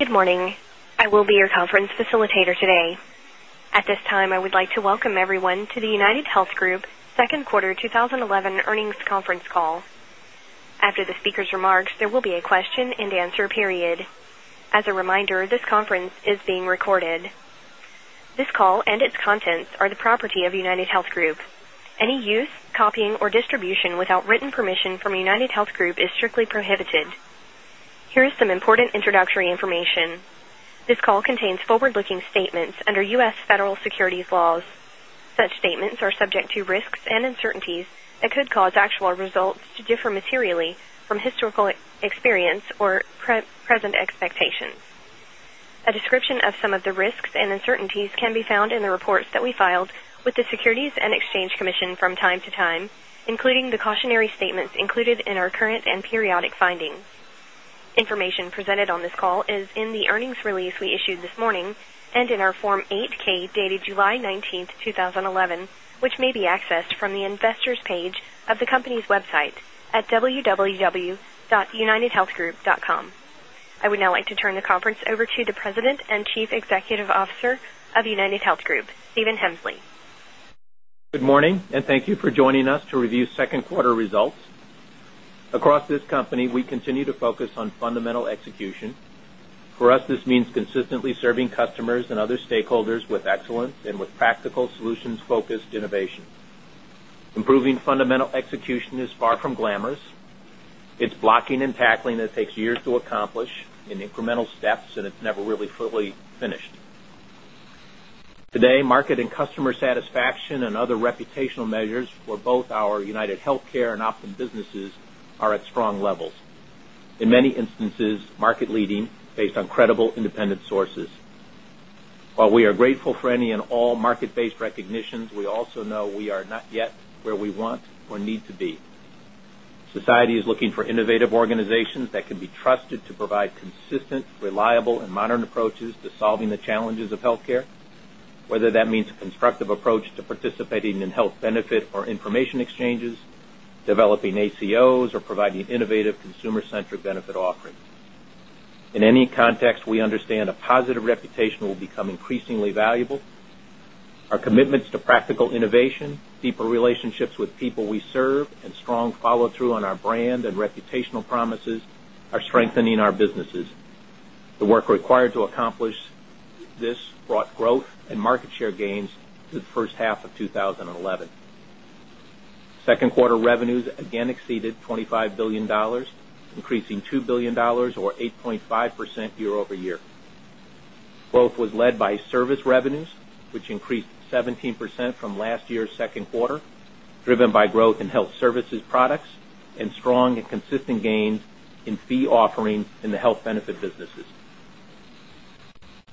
Good morning. I will be your conference facilitator today. At this time, I would like to welcome everyone to the UnitedHealth Group Second Quarter 2011 Earnings Conference Call. After the speaker's remarks, there will be a question-and-answer period. As a reminder, this conference is being recorded. This call and its contents are the property of UnitedHealth Group. Any use, copying, or distribution without written permission from UnitedHealth Group is strictly prohibited. Here is some important introductory information. This call contains forward-looking statements under U.S. federal securities laws. Such statements are subject to risks and uncertainties that could cause actual results to differ materially from historical experience or present expectations. A description of some of the risks and uncertainties can be found in the reports that we filed with the Securities and Exchange Commission from time to time, including the cautionary statements included in our current and periodic filings. Information presented on this call is in the earnings release we issued this morning and in our Form 8-K dated July 19th, 2011, which may be accessed from the Investors' page of the company's website at www.unitedhealthgroup.com. I would now like to turn the conference over to the President and Chief Executive Officer of UnitedHealth Group, Stephen Hemsley. Good morning, and thank you for joining us to review second quarter results. Across this company, we continue to focus on fundamental execution. For us, this means consistently serving customers and other stakeholders with excellence and with practical solutions-focused innovation. Improving fundamental execution is far from glamorous. It's blocking and tackling that takes years to accomplish in incremental steps, and it's never really fully finished. Today, market and customer satisfaction and other reputational measures for both our UnitedHealthcare and Optum businesses are at strong levels. In many instances, market leading based on credible independent sources. While we are grateful for any and all market-based recognitions, we also know we are not yet where we want or need to be. Society is looking for innovative organizations that can be trusted to provide consistent, reliable, and modern approaches to solving the challenges of healthcare, whether that means a constructive approach to participating in health benefit or information exchanges, developing accountable care models, or providing innovative consumer-centric benefit offerings. In any context, we understand a positive reputation will become increasingly valuable. Our commitments to practical innovation, deeper relationships with people we serve, and strong follow-through on our brand and reputational promises are strengthening our businesses. The work required to accomplish this brought growth and market share gains to the first half of 2011. Second quarter revenues again exceeded $25 billion, increasing $2 billion or 8.5% year-over-year. Growth was led by service revenues, which increased 17% from last year's second quarter, driven by growth in health services products and strong and consistent gains in fee offerings in the health benefit businesses.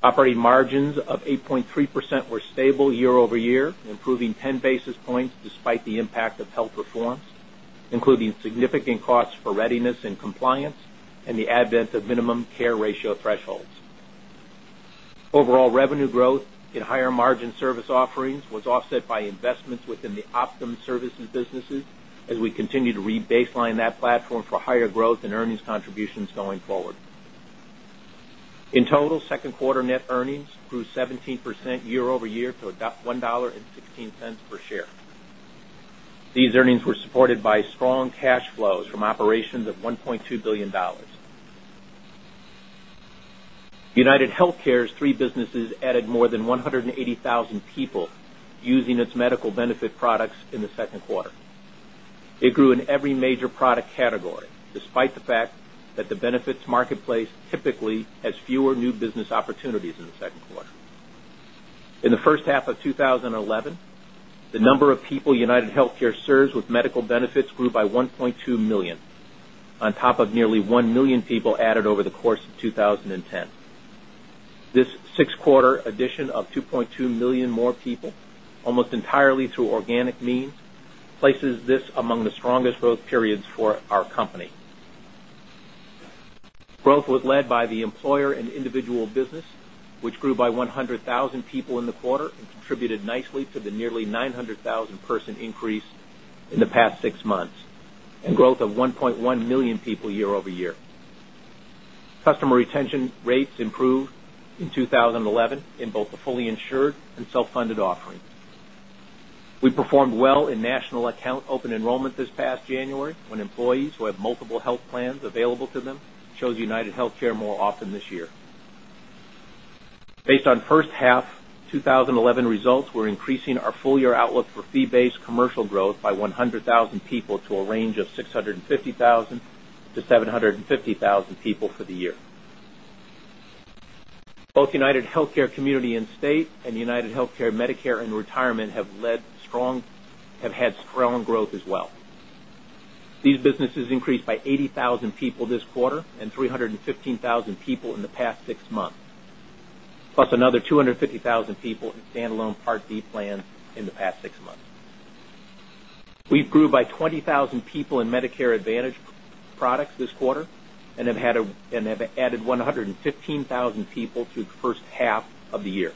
Operating margins of 8.3% were stable year-over-year, improving 10 basis points despite the impact of health performance, including significant costs for readiness and compliance and the advent of minimum care ratio thresholds. Overall revenue growth in higher margin service offerings was offset by investments within the Optum services businesses as we continue to re-baseline that platform for higher growth and earnings contributions going forward. In total, second-quarter net earnings grew 17% year-over-year to $1.16 per share. These earnings were supported by strong cash flows from operations of $1.2 billion. UnitedHealthcare's three businesses added more than 180,000 people using its medical benefit products in the second quarter. It grew in every major product category, despite the fact that the benefits marketplace typically has fewer new business opportunities in the second quarter. In the first half of 2011, the number of people UnitedHealthcare serves with medical benefits grew by 1.2 million, on top of nearly 1 million people added over the course of 2010. This six-quarter addition of 2.2 million more people, almost entirely through organic means, places this among the strongest growth periods for our company. Growth was led by the employer and individual business, which grew by 100,000 people in the quarter and contributed nicely to the nearly 900,000-person increase in the past six months and growth of 1.1 million people year-over-year. Customer retention rates improved in 2011 in both the fully insured and commercial self-funded offerings. We performed well in national account open enrollment this past January when employees who have multiple health plans available to them chose UnitedHealthcare more often this year. Based on first half 2011 results, we're increasing our full-year guidance for fee-based commercial growth by 100,000 people to a range of 650,000-750,000 people for the year. Both UnitedHealthcare Community & State and UnitedHealthcare Medicare & Retirement have had strong growth as well. These businesses increased by 80,000 people this quarter and 315,000 people in the past six months, plus another 250,000 people in standalone Part D plan in the past six months. We grew by 20,000 people in Medicare Advantage products this quarter and have added 115,000 people to the first half of the year,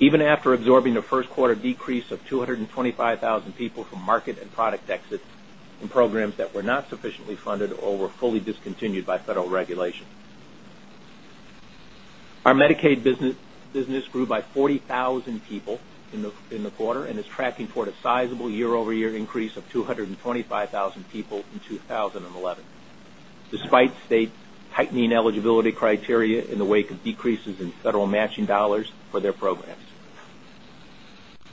even after absorbing the first quarter decrease of 225,000 people from market and product exits in programs that were not sufficiently funded or were fully discontinued by federal regulation. Our Medicaid business grew by 40,000 people in the quarter and is tracking toward a sizable year-over-year increase of 225,000 people in 2011, despite states tightening eligibility criteria in the wake of decreases in federal matching dollars for their programs.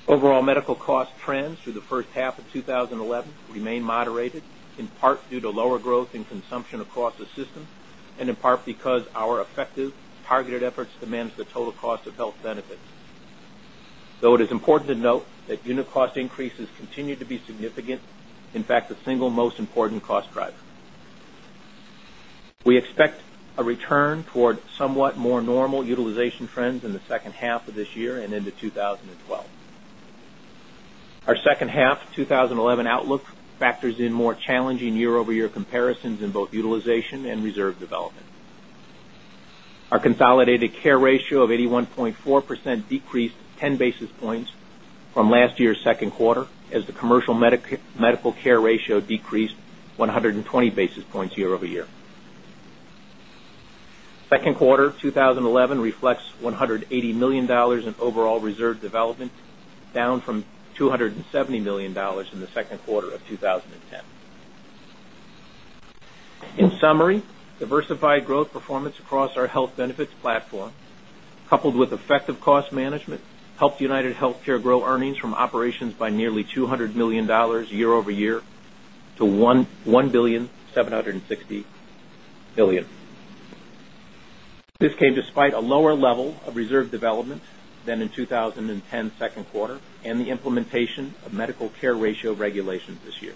Overall medical cost trends through the first half of 2011 remain moderated in part due to lower growth in consumption across the system and in part because of our effective targeted efforts to manage the total cost of health benefits. Though it is important to note that unit cost increases continue to be significant, in fact, the single most important cost driver. We expect a return toward somewhat more normal utilization trends in the second half of this year and into 2012. Our second half 2011 outlook factors in more challenging year-over-year comparisons in both utilization and reserve development. Our consolidated care ratio of 81.4% decreased 10 basis points from last year's second quarter as the commercial medical care ratio decreased 120 basis points year-over-year. Second quarter 2011 reflects $180 million in overall reserve development, down from $270 million in the second quarter of 2010. In summary, diversified growth performance across our health benefits platform, coupled with effective cost management, helps UnitedHealthcare grow earnings from operations by nearly $200 million year-over-year to $1,760,000,000. This came despite a lower level of reserve development than in 2010 second quarter and the implementation of medical care ratio regulations this year.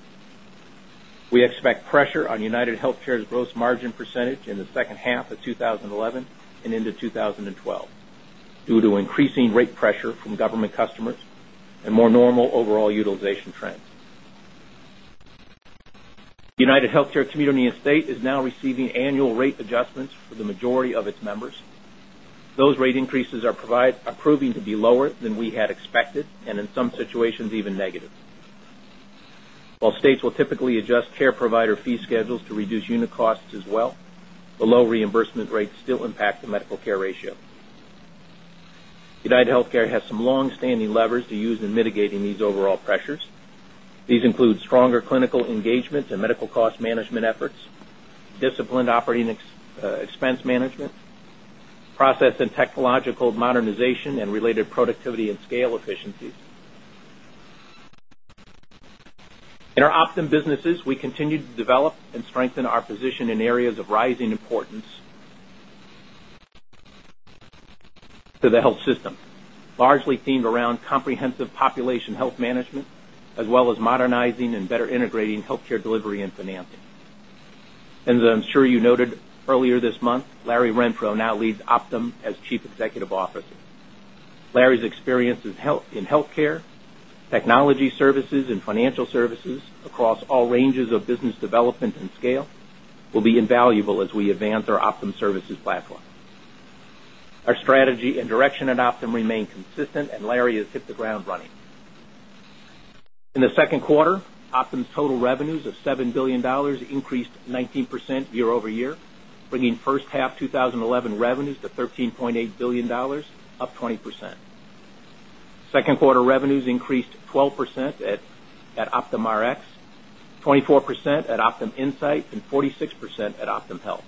We expect pressure on UnitedHealthcare's gross margin percentage in the second half of 2011 and into 2012 due to increasing rate pressure from government customers and more normal overall utilization trends. UnitedHealthcare Community & State is now receiving annual rate adjustments for the majority of its members. Those rate increases are proving to be lower than we had expected and in some situations even negative. While states will typically adjust care provider fee schedules to reduce unit costs as well, the low reimbursement rates still impact the medical care ratio. UnitedHealthcare has some long-standing levers to use in mitigating these overall pressures. These include stronger clinical engagement and medical cost management efforts, disciplined operating expense management, process and technological modernization, and related productivity and scale efficiencies. In our Optum businesses, we continue to develop and strengthen our position in areas of rising importance to the health system, largely themed around comprehensive population health management as well as modernizing and better integrating healthcare delivery and financing. As I'm sure you noted earlier this month, Larry Renfro now leads Optum as Chief Executive Officer. Larry Renfro's experience in healthcare, technology services, and financial services across all ranges of business development and scale will be invaluable as we advance our Optum services platform. Our strategy and direction at Optum remain consistent, and Larry has hit the ground running. In the second quarter, Optum's total revenues of $7 billion increased 19% year-over-year, bringing first half 2011 revenues to $13.8 billion, up 20%. Second quarter revenues increased 12% at Optum Rx, 24% at OptumInsight, and 46% at Optum Health.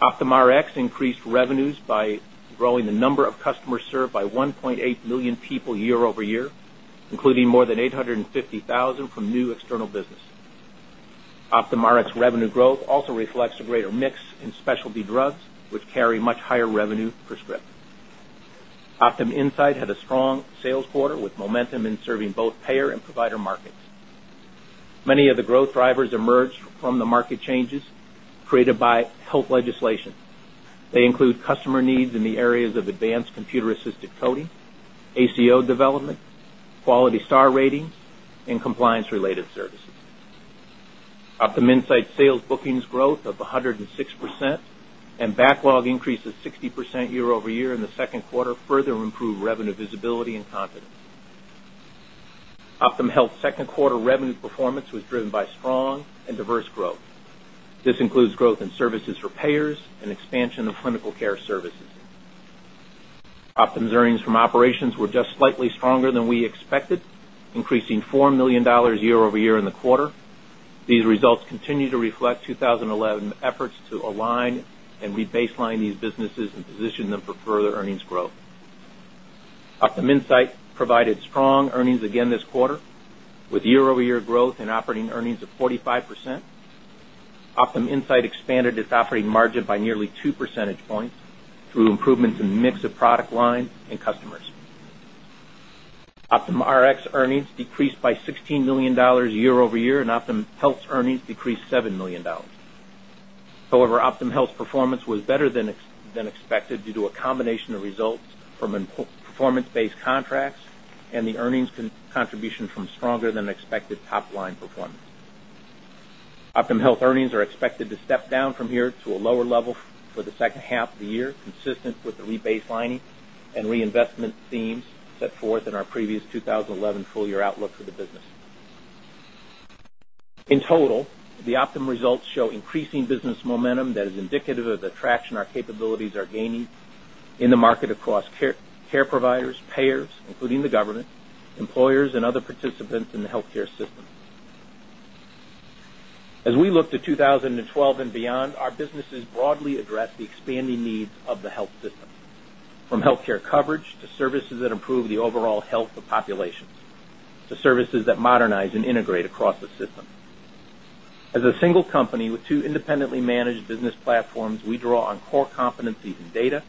Optum Rx increased revenues by growing the number of customers served by 1.8 million people year-over-year, including more than 850,000 from new external business. Optum Rx revenue growth also reflects a greater mix in specialty drugs, which carry much higher revenue per script. OptumInsight had a strong sales quarter with momentum in serving both payer and provider markets. Many of the growth drivers emerged from the market changes created by health legislation. They include customer needs in the areas of advanced computer-assisted coding, ACO development, quality star ratings, and compliance-related services. OptumInsight sales bookings growth of 106% and backlog increases 60% year-over-year in the second quarter further improved revenue visibility and confidence. Optum Health's second quarter revenue performance was driven by strong and diverse growth. This includes growth in services for payers and expansion of clinical care services. Optum's earnings from operations were just slightly stronger than we expected, increasing $4 million year-over-year in the quarter. These results continue to reflect 2011 efforts to align and re-baseline these businesses and position them for further earnings growth. OptumInsight provided strong earnings again this quarter with year-over-year growth and operating earnings of 45%. OptumInsight expanded its operating margin by nearly 2 percentage points through improvements in the mix of product line and customers. Optum Rx earnings decreased by $16 million year-over-year, and Optum Health's earnings decreased $7 million. However, Optum Health's performance was better than expected due to a combination of results from performance-based contracts and the earnings contributions from stronger than expected top line performance. Optum Health earnings are expected to step down from here to a lower level for the second half of the year, consistent with the re-baselining and reinvestment themes set forth in our previous 2011 full-year outlook for the business. In total, the Optum results show increasing business momentum that is indicative of the traction our capabilities are gaining in the market across care providers, payers, including the government, employers, and other participants in the healthcare system. As we look to 2012 and beyond, our businesses broadly address the expanding needs of the health system, from healthcare coverage to services that improve the overall health of populations to services that modernize and integrate across the system. As a single company with two independently managed business platforms, we draw on core competencies in data,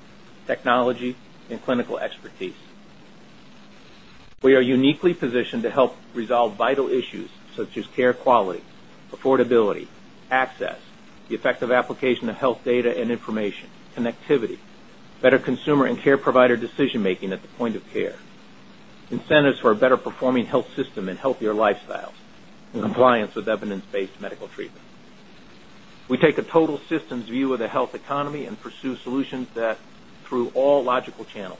technology, and clinical expertise. We are uniquely positioned to help resolve vital issues such as care quality, affordability, access, the effective application of health data and information, connectivity, better consumer and care provider decision-making at the point of care, incentives for a better performing health system and healthier lifestyles, and compliance with evidence-based medical treatment. We take a total systems view of the health economy and pursue solutions through all logical channels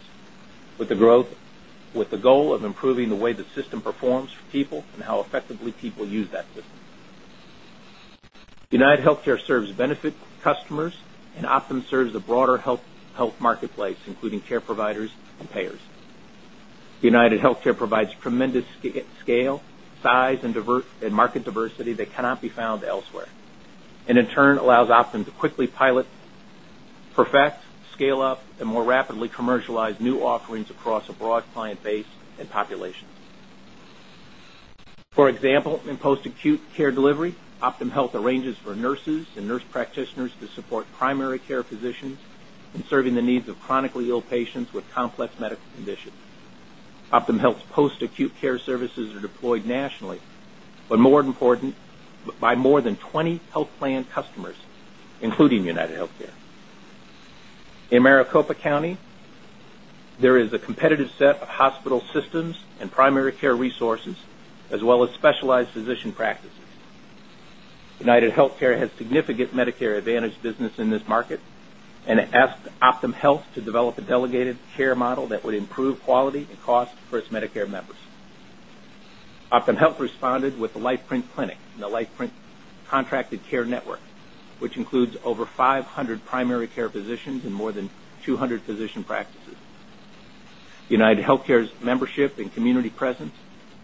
with the goal of improving the way the system performs for people and how effectively people use that system. UnitedHealthcare serves benefit customers, and Optum serves the broader health marketplace, including care providers and payers. UnitedHealthcare provides tremendous scale, size, and market diversity that cannot be found elsewhere, and in turn allows Optum to quickly pilot, perfect, scale up, and more rapidly commercialize new offerings across a broad client base and population. For example, in post-acute care delivery, Optum Health arranges for nurses and nurse practitioners to support primary care physicians in serving the needs of chronically ill patients with complex medical conditions. Optum Health's post-acute care services are deployed nationally, but more important, by more than 20 health plan customers, including UnitedHealthcare. In Maricopa County, there is a competitive set of hospital systems and primary care resources, as well as specialized physician practices. UnitedHealthcare has significant Medicare Advantage business in this market and asked Optum Health to develop a delegated care model that would improve quality and cost for its Medicare members. Optum Health responded with the Lifeprint Clinic and the Lifeprint Contracted Care Network, which includes over 500 primary care physicians and more than 200 physician practices. UnitedHealthcare's membership and community presence,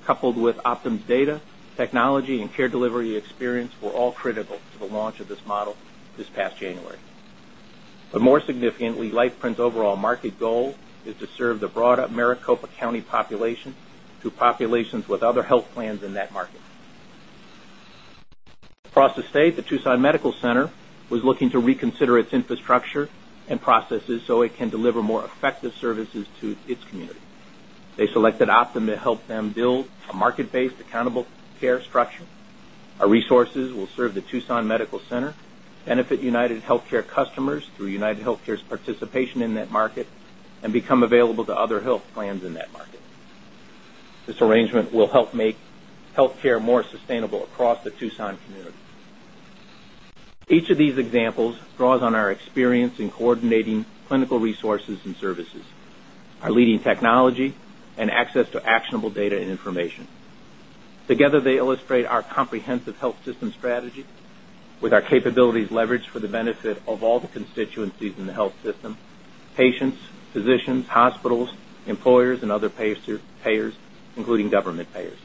coupled with Optum's data, technology, and care delivery experience, were all critical to the launch of this model this past January. More significantly, Lifeprint's overall market goal is to serve the broader Maricopa County population to populations with other health plans in that market. Across the state, the Tucson Medical Center was looking to reconsider its infrastructure and processes so it can deliver more effective services to its community. They selected Optum to help them build a market-based accountable care structure. Our resources will serve the Tucson Medical Center, benefit UnitedHealthcare customers through UnitedHealthcare's participation in that market, and become available to other health plans in that market. This arrangement will help make healthcare more sustainable across the Tucson community. Each of these examples draws on our experience in coordinating clinical resources and services, our leading technology, and access to actionable data and information. Together, they illustrate our comprehensive health system strategy with our capabilities leveraged for the benefit of all the constituencies in the health system: patients, physicians, hospitals, employers, and other payers, including government payers.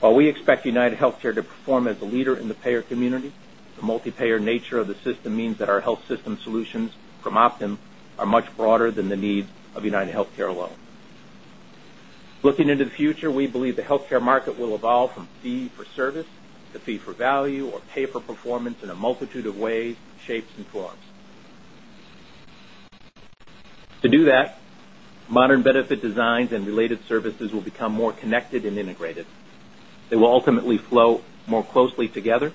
While we expect UnitedHealthcare to perform as the leader in the payer community, the multi-payer nature of the system means that our health system solutions from Optum are much broader than the needs of UnitedHealthcare alone. Looking into the future, we believe the healthcare market will evolve from fee for service to fee for value or pay for performance in a multitude of ways, shapes, and forms. To do that, modern benefit designs and related services will become more connected and integrated. They will ultimately flow more closely together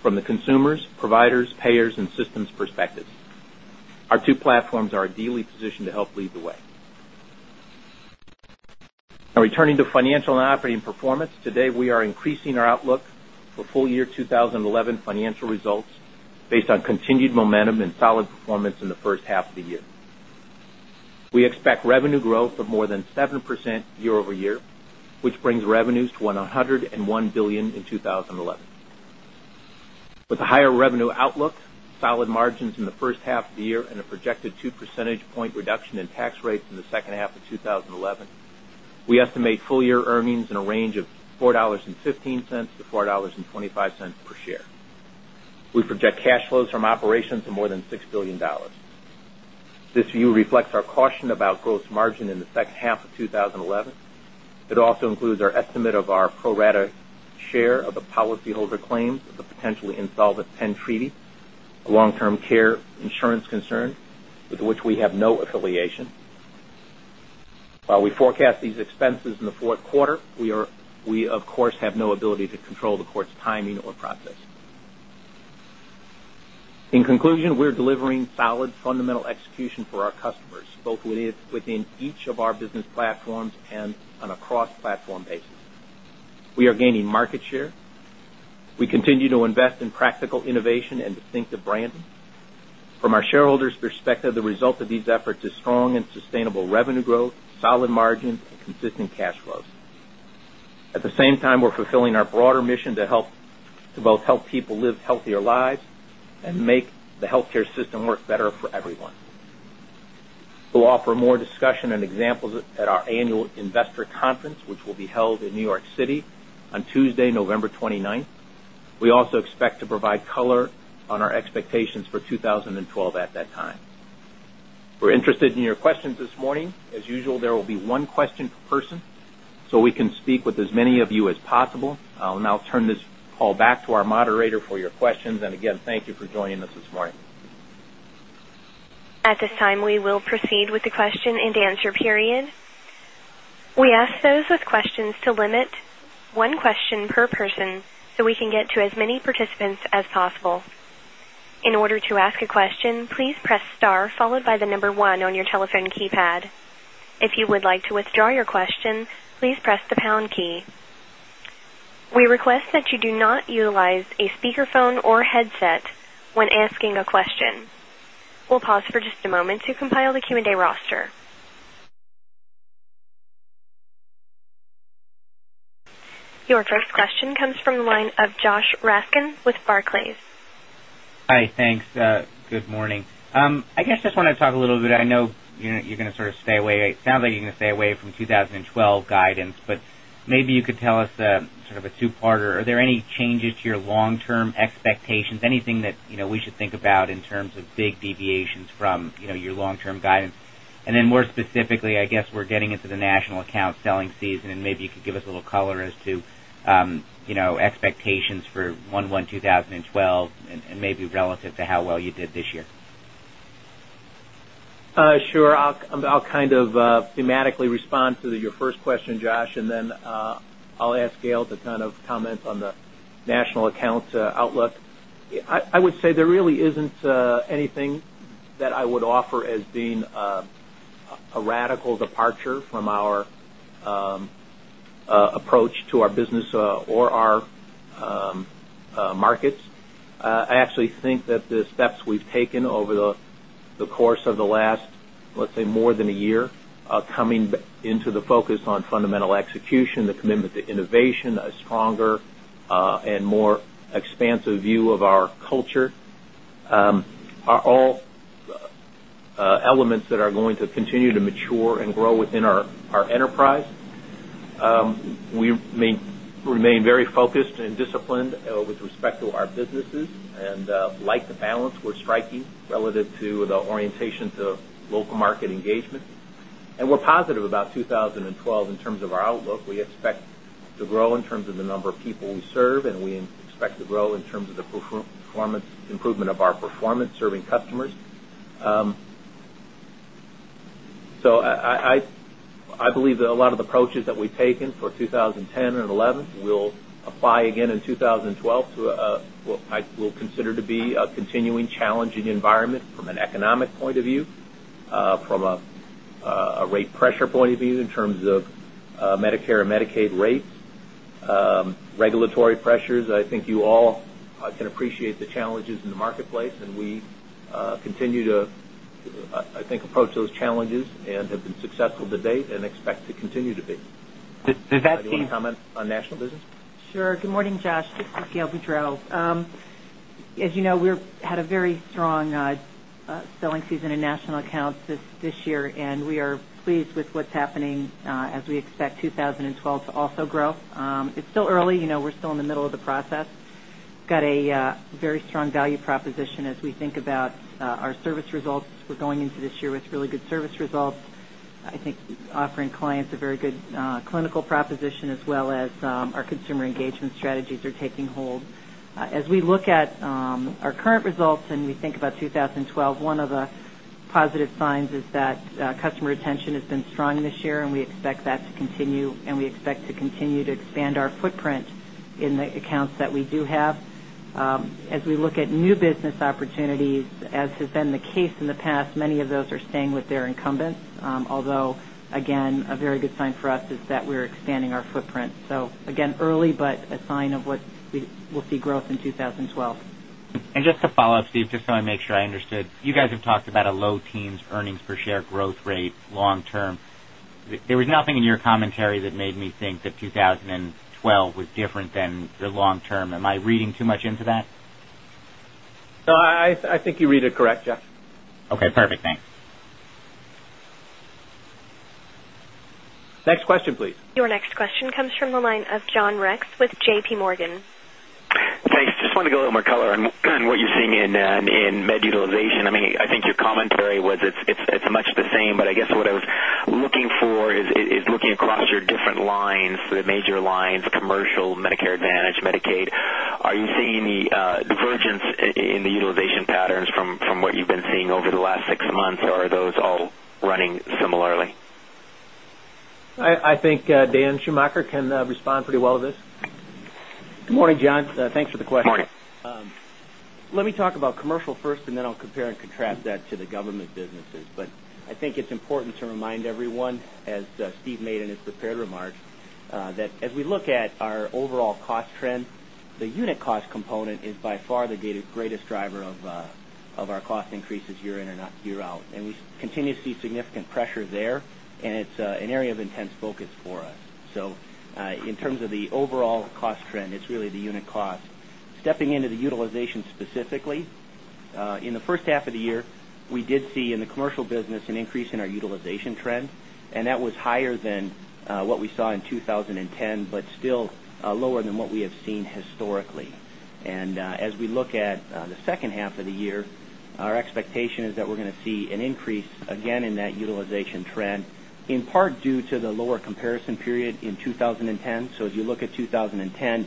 from the consumers, providers, payers, and systems perspectives. Our two platforms are ideally positioned to help lead the way. Now, returning to financial and operating performance, today we are increasing our outlook for full-year 2011 financial results based on continued momentum and solid performance in the first half of the year. We expect revenue growth of more than 7% year-over-year, which brings revenues to $101 billion in 2011. With a higher revenue outlook, solid margins in the first half of the year, and a projected 2 percentage point reduction in tax rates in the second half of 2011, we estimate full-year earnings in a range of $4.15-$4.25 per share. We project cash flows from operations to more than $6 billion. This view reflects our caution about gross margin in the second half of 2011. It also includes our estimate of our pro-rata share of the policyholder claims of the potentially insolvent Penn Treaty, a long-term care insurance concern with which we have no affiliation. While we forecast these expenses in the fourth quarter, we, of course, have no ability to control the court's timing or process. In conclusion, we're delivering solid fundamental execution for our customers, both within each of our business platforms and on a cross-platform basis. We are gaining market share. We continue to invest in practical innovation and distinctive branding. From our shareholders' perspective, the result of these efforts is strong and sustainable revenue growth, solid margins, and consistent cash flows. At the same time, we're fulfilling our broader mission to help to both help people live healthier lives and make the healthcare system work better for everyone. We'll offer more discussion and examples at our annual investor conference, which will be held in New York City on Tuesday, November 29th. We also expect to provide color on our expectations for 2012 at that time. We're interested in your questions this morning. As usual, there will be one question per person so we can speak with as many of you as possible. I'll now turn this call back to our moderator for your questions. Again, thank you for joining us this morning. At this time, we will proceed with the question and answer period. We ask those with questions to limit one question per person so we can get to as many participants as possible. In order to ask a question, please press star followed by the number one on your telephone keypad. If you would like to withdraw your question, please press the pound key. We request that you do not utilize a speakerphone or headset when asking a question. We'll pause for just a moment to compile the Q&A roster. Your first question comes from the line of Josh Raskin with Barclays. Hi, thanks. Good morning. I guess I just want to talk a little bit. I know you're going to sort of stay away. It sounds like you're going to stay away from 2012 guidance, but maybe you could tell us sort of a two-parter. Are there any changes to your long-term expectations, anything that we should think about in terms of big deviations from your long-term guidance? More specifically, I guess we're getting into the national account selling season, and maybe you could give us a little color as to expectations for 1/1/2012 and maybe relative to how well you did this year. Sure. I'll kind of thematically respond to your first question, Josh, and then I'll ask Gail to turn off comments on the national accounts outlook. I would say there really isn't anything that I would offer as being a radical departure from our approach to our business or our markets. I actually think that the steps we've taken over the course of the last, let's say, more than a year, coming into the focus on fundamental execution, the commitment to innovation, a stronger and more expansive view of our culture, are all elements that are going to continue to mature and grow within our enterprise. We remain very focused and disciplined with respect to our businesses and like the balance we're striking relative to the orientation to local market engagement. We're positive about 2012 in terms of our outlook. We expect to grow in terms of the number of people we serve, and we expect to grow in terms of the performance improvement of our performance serving customers. I believe that a lot of the approaches that we've taken for 2010 and 2011 will apply again in 2012 to what I will consider to be a continuing challenging environment from an economic point of view, from a rate pressure point of view in terms of Medicare and Medicaid rates, regulatory pressures. I think you all can appreciate the challenges in the marketplace, and we continue to, I think, approach those challenges and have been successful to date and expect to continue to be. Is that key? Can I comment on national business? Sure. Good morning, Josh. This is Gail Boudreaux. As you know, we had a very strong selling season in national accounts this year, and we are pleased with what's happening as we expect 2012 to also grow. It's still early. We're still in the middle of the process. We've got a very strong value proposition as we think about our service results. We're going into this year with really good service results. I think offering clients a very good clinical proposition as well as our consumer engagement strategies are taking hold. As we look at our current results and we think about 2012, one of the positive signs is that customer retention has been strong this year, and we expect that to continue, and we expect to continue to expand our footprint in the accounts that we do have. As we look at new business opportunities, as has been the case in the past, many of those are staying with their incumbents, although a very good sign for us is that we're expanding our footprint. Early, but a sign of what we will see growth in 2012. Just to follow up, Steve, just so I make sure I understood, you guys have talked about a low teens earnings per share growth rate long term. There was nothing in your commentary that made me think that 2012 was different than the long term. Am I reading too much into that? No, I think you read it correct, Josh. Okay, perfect. Thanks. Next question, please. Your next question comes from the line of John Rex with JPMorgan. Thanks. I just want to get a little more color on what you're seeing in med utilization. I mean, I think your commentary was it's much the same, but I guess what I was looking for is looking across your different lines, the major lines, commercial, Medicare Advantage, Medicaid. Are you seeing any divergence in the utilization patterns from what you've been seeing over the last six months, or are those all running similarly? I think Dan Schumacher can respond pretty well to this. Good morning, John. Thanks for the question. Good morning. Let me talk about commercial first, and then I'll compare and contrast that to the government businesses. I think it's important to remind everyone, as Steve made in his prepared remark, that as we look at our overall cost trend, the unit cost component is by far the greatest driver of our cost increases year in and year out. We continue to see significant pressure there, and it's an area of intense focus for us. In terms of the overall cost trend, it's really the unit cost. Stepping into the utilization specifically, in the first half of the year, we did see in the commercial business an increase in our utilization trend, and that was higher than what we saw in 2010, but still lower than what we have seen historically. As we look at the second half of the year, our expectation is that we're going to see an increase again in that utilization trend, in part due to the lower comparison period in 2010. As you look at 2010,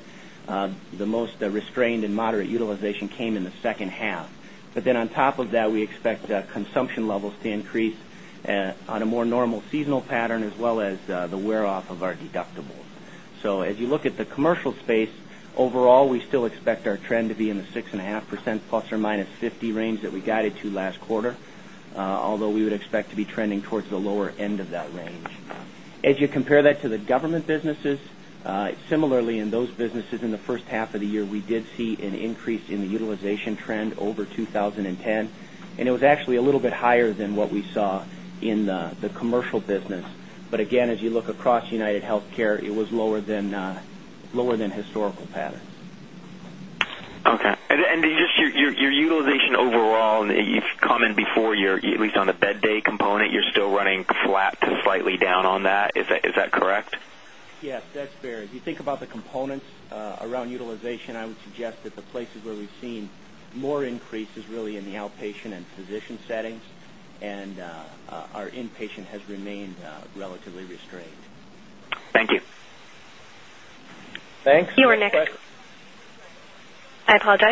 the most restrained and moderate utilization came in the second half. On top of that, we expect consumption levels to increase on a more normal seasonal pattern as well as the wear-off of our deductible. As you look at the commercial space, overall, we still expect our trend to be in the 6.5%±50% range that we guided to last quarter, although we would expect to be trending towards the lower end of that range. As you compare that to the government businesses, similarly, in those businesses in the first half of the year, we did see an increase in the utilization trend over 2010, and it was actually a little bit higher than what we saw in the commercial business. Again, as you look across UnitedHealthcare, it was lower than the historical pattern. Okay. Your utilization overall, you've commented before, at least on the bed day component, you're still running flat to slightly down on that. Is that correct? Yes, that's fair. If you think about the components around utilization, I would suggest that the places where we've seen more increase is really in the outpatient and physician settings, and our inpatient has remained relatively restrained. Thank you. Thanks.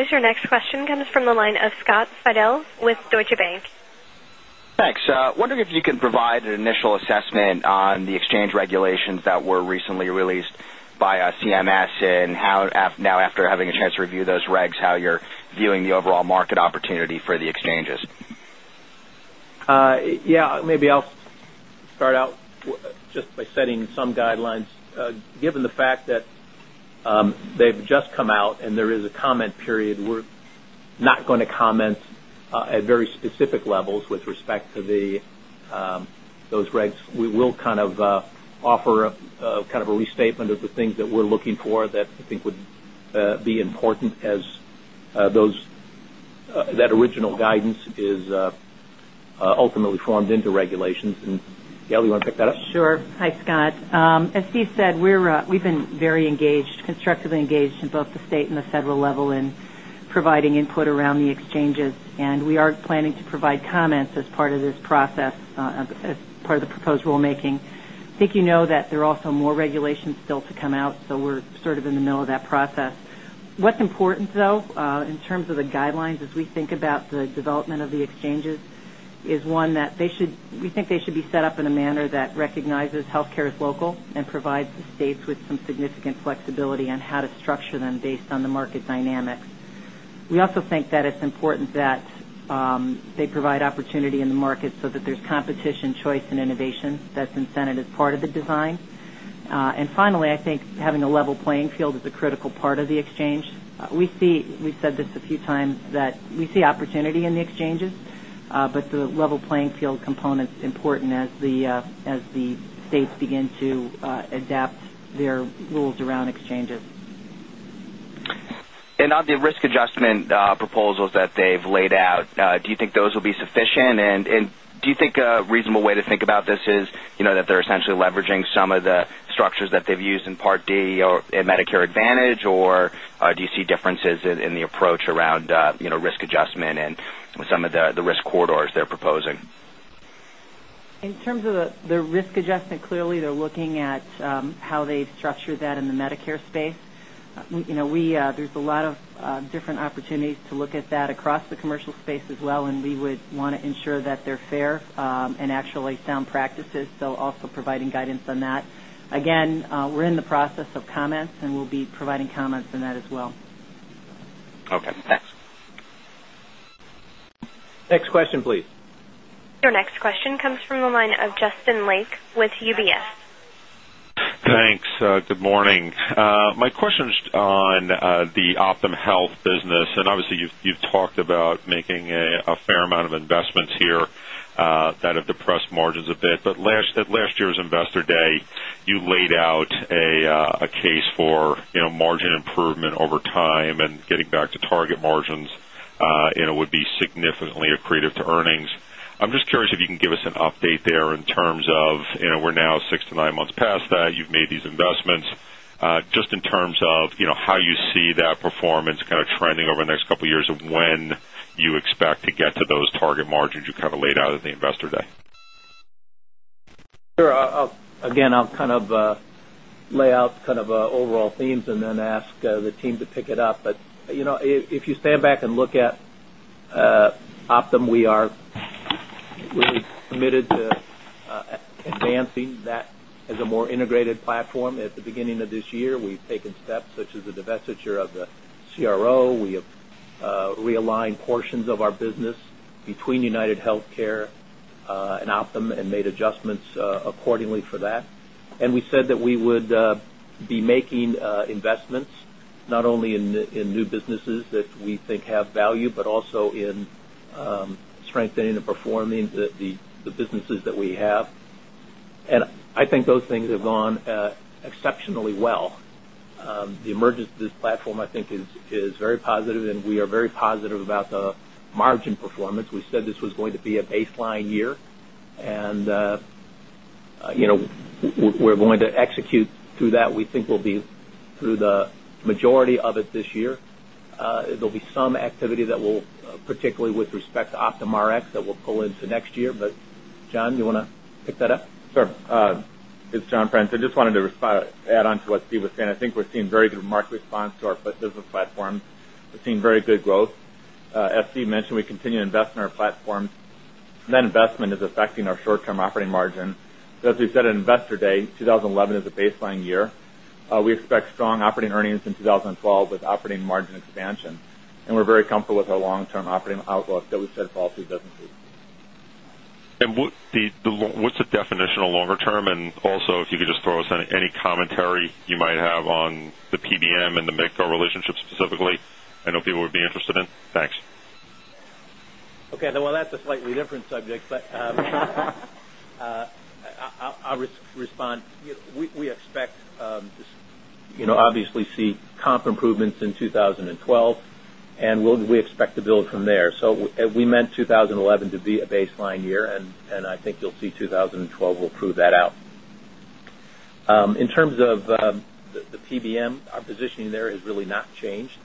Your next question comes from the line of Scott Fidel with Deutsche Bank. Thanks. Wondering if you can provide an initial assessment on the exchange regulations that were recently released by CMS, and how now, after having a chance to review those regs, how you're viewing the overall market opportunity for the exchanges. Maybe I'll start out just by setting some guidelines. Given the fact that they've just come out and there is a comment period, we're not going to comment at very specific levels with respect to those regs. We will offer a restatement of the things that we're looking for that I think would be important as that original guidance is ultimately formed into regulations. Gail, do you want to pick that up? Sure. Hi, Scott. As Steve said, we've been very engaged, constructively engaged in both the state and the federal level in providing input around the exchanges, and we are planning to provide comments as part of this process, as part of the proposed rulemaking. I think you know that there are also more regulations still to come out, so we're sort of in the middle of that process. What's important, though, in terms of the guidelines as we think about the development of the exchanges is one that we think they should be set up in a manner that recognizes healthcare as local and provides the states with some significant flexibility on how to structure them based on the market dynamics. We also think that it's important that they provide opportunity in the market so that there's competition, choice, and innovation that's incentive as part of the design. Finally, I think having a level playing field is a critical part of the exchange. We see, we've said this a few times, that we see opportunity in the exchanges, but the level playing field component is important as the states begin to adapt their rules around exchanges. On the risk adjustment proposals that they've laid out, do you think those will be sufficient? Do you think a reasonable way to think about this is that they're essentially leveraging some of the structures that they've used in Part D or in Medicare Advantage, or do you see differences in the approach around risk adjustment and some of the risk corridors they're proposing? In terms of the risk adjustment, clearly they're looking at how they've structured that in the Medicare space. There's a lot of different opportunities to look at that across the commercial space as well, and we would want to ensure that they're fair and actually sound practices, also providing guidance on that. Again, we're in the process of comments, and we'll be providing comments on that as well. Okay, thanks. Next question, please. Your next question comes from the line of Justin Lake with UBS. Thanks. Good morning. My question is on the Optum Health business. Obviously, you've talked about making a fair amount of investments here that have depressed margins a bit. At last year's Investor Day, you laid out a case for margin improvement over time and getting back to target margins would be significantly accretive to earnings. I'm just curious if you can give us an update there in terms of we're now six to nine months past that. You've made these investments. In terms of how you see that performance kind of trending over the next couple of years and when you expect to get to those target margins you laid out at the Investor Day. Sure. I'll lay out overall themes and then ask the team to pick it up. If you stand back and look at Optum, we are committed to advancing that as a more integrated platform. At the beginning of this year, we've taken steps such as the divestiture of the CRO. We have realigned portions of our business between UnitedHealthcare and Optum and made adjustments accordingly for that. We said that we would be making investments not only in new businesses that we think have value, but also in strengthening and performing the businesses that we have. I think those things have gone exceptionally well. The emergence of this platform, I think, is very positive, and we are very positive about the margin performance. We said this was going to be a baseline year, and we're going to execute through that. We think we'll be through the majority of it this year. There'll be some activity, particularly with respect to Optum Rx, that will pull into next year. John, you want to pick that up? Sure. It's John Penshorn. I just wanted to add on to what Steve was saying. I think we're seeing very good market response to our business platform. We're seeing very good growth. As Steve mentioned, we continue to invest in our platforms. That investment is affecting our short-term operating margin. As we said at Investor Day, 2011 is a baseline year. We expect strong operating earnings in 2012 with operating margin expansion. We're very comfortable with our long-term operating outlook that we said fall through businesses. What is the definition of longer term? If you could just throw us in any commentary you might have on the PBM and the Medicare relationship specifically, I know people would be interested in that. Thanks. Okay. That's a slightly different subject, but I'll respond. We expect to obviously see comp improvements in 2012, and we expect to build from there. We meant 2011 to be a baseline year, and I think you'll see 2012 will prove that out. In terms of the PBM, our positioning there has really not changed.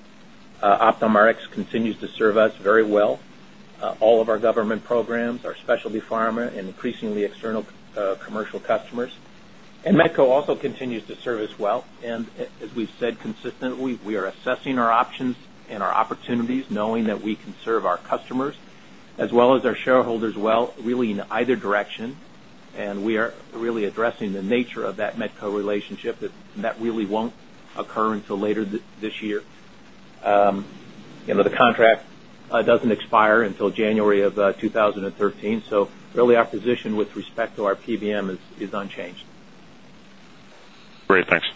Optum Rx continues to serve us very well, all of our government programs, our specialty pharma, and increasingly external commercial customers. Medco also continues to serve us well. As we've said consistently, we are assessing our options and our opportunities, knowing that we can serve our customers as well as our shareholders well, really in either direction. We are really addressing the nature of that Medco relationship, and that really won't occur until later this year. You know the contract doesn't expire until January of 2013. Our position with respect to our PBM is unchanged. Great. Thanks.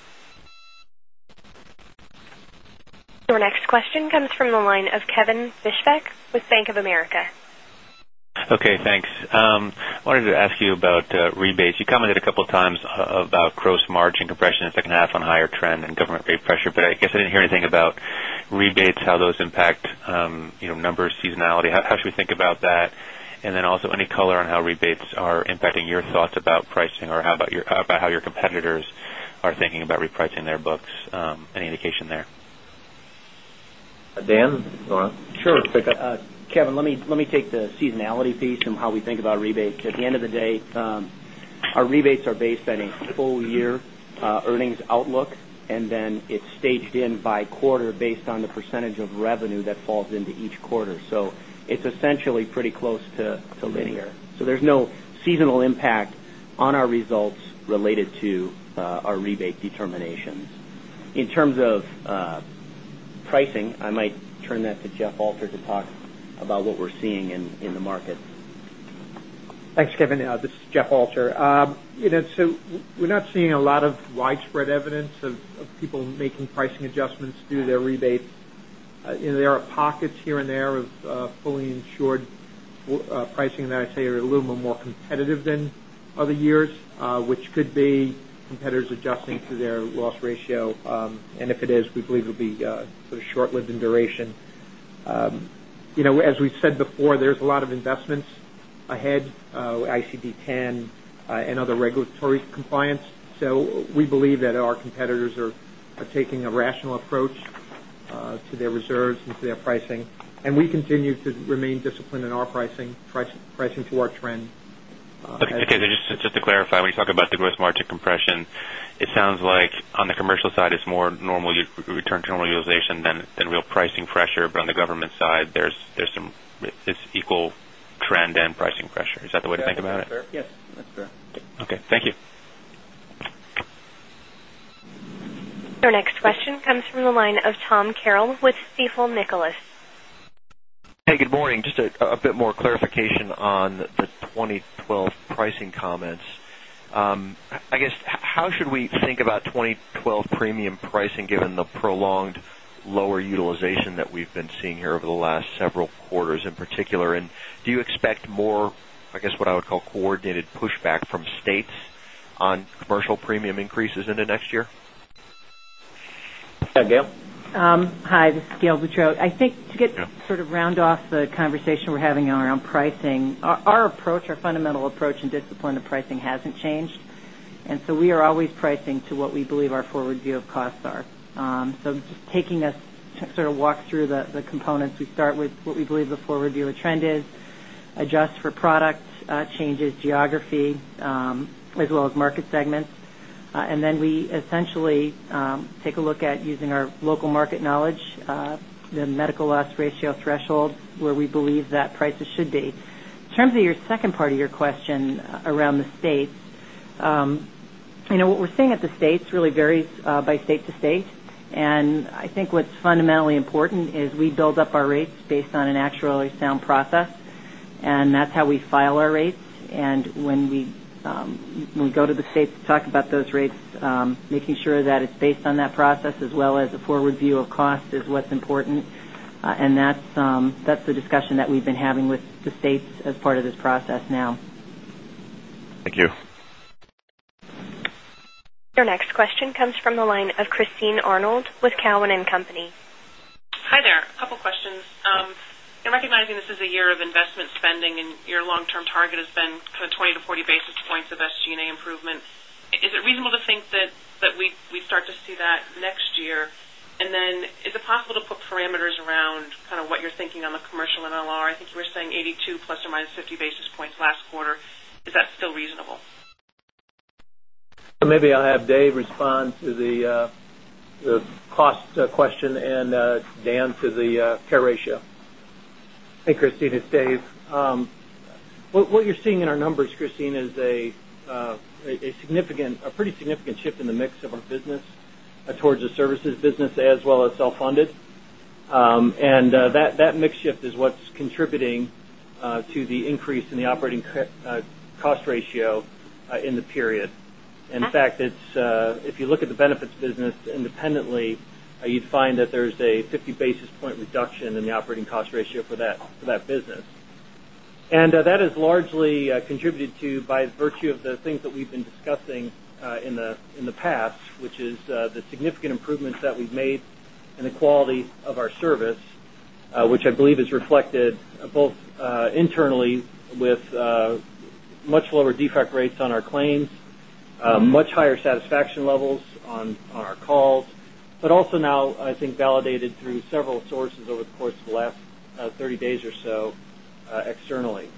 Your next question comes from the line of Kevin Fischbeck with Bank of America. Okay, thanks. I wanted to ask you about rebates. You commented a couple of times about gross margin compression in the second half on a higher trend and government rate pressure. I guess I didn't hear anything about rebates, how those impact numbers, seasonality. How should we think about that? Also, any color on how rebates are impacting your thoughts about pricing or how your competitors are thinking about repricing their books? Any indication there? Dan, you want to? Sure. Okay. Kevin, let me take the seasonality piece and how we think about rebates. At the end of the day, our rebates are based on a full-year earnings outlook, and then it's staged in by quarter based on the percentage of revenue that falls into each quarter. It's essentially pretty close to linear. There's no seasonal impact on our results related to our rebate determinations. In terms of pricing, I might turn that to Jeff Alter to talk about what we're seeing in the market. Thanks, Kevin. This is Jeff Alter. We're not seeing a lot of widespread evidence of people making pricing adjustments through their rebates. There are pockets here and there of fully insured pricing that I say are a little bit more competitive than other years, which could be competitors adjusting through their loss ratio. If it is, we believe it'll be sort of short-lived in duration. As we've said before, there's a lot of investments ahead, ICD-10 and other regulatory compliance. We believe that our competitors are taking a rational approach to their reserves and to their pricing. We continue to remain disciplined in our pricing, pricing to our trend. Okay. Just to clarify, when you talk about the gross margin compression, it sounds like on the commercial side, it's more normal return to normal utilization than real pricing pressure. On the government side, there's some equal trend and pricing pressure. Is that the way to think about it? That's fair. Yes, that's fair. Okay, thank you. Our next question comes from the line of Tom Carroll with Sfifel, Nicolaus. Hey, good morning. Just a bit more clarification on the 2012 pricing comments. I guess how should we think about 2012 premium pricing given the prolonged lower utilization that we've been seeing here over the last several quarters in particular? Do you expect more, I guess what I would call coordinated pushback from states on commercial premium increases into next year? Yeah, Gail. Hi, this is Gail Boudreaux. I think to get sort of round off the conversation we're having on our own pricing, our approach, our fundamental approach and discipline of pricing hasn't changed. We are always pricing to what we believe our forward view of costs are. Just taking us to sort of walk through the components, we start with what we believe the forward view of a trend is, adjust for product changes, geography, as well as market segments. We essentially take a look at using our local market knowledge, the medical loss ratio threshold where we believe that prices should be. In terms of your second part of your question around the states, what we're seeing at the states really varies by state to state. I think what's fundamentally important is we build up our rates based on a naturally sound process. That's how we file our rates. When we go to the states to talk about those rates, making sure that it's based on that process as well as a forward view of cost is what's important. That's the discussion that we've been having with the states as part of this process now. Thank you. Your next question comes from the line of Christine Arnold with Cowen and Company. Hi there. A couple of questions. You're recognizing this is a year of investment spending, and your long-term target has been kind of 20 basis points-40 basis points of SG&A improvement. Is it reasonable to think that we start to see that next year? Is it possible to put parameters around kind of what you're thinking on the commercial MLR? I think you were saying 82%± 50 basis points last quarter. Is that still reasonable? I'll have Dave respond to the cost question and Dan to the care ratio. Thank you, Christine. It's Dave. What you're seeing in our numbers, Christine, is a pretty significant shift in the mix of our business towards the services business as well as self-funded. That mix shift is what's contributing to the increase in the operating cost ratio in the period. In fact, if you look at the benefits business independently, you'd find that there's a 50 basis point reduction in the operating cost ratio for that business. That is largely contributed to by virtue of the things that we've been discussing in the past, which is the significant improvements that we've made in the quality of our service, which I believe is reflected both internally with much lower defect rates on our claims, much higher satisfaction levels on our calls, but also now I think validated through several sources over the course of the last 30 days or so externally.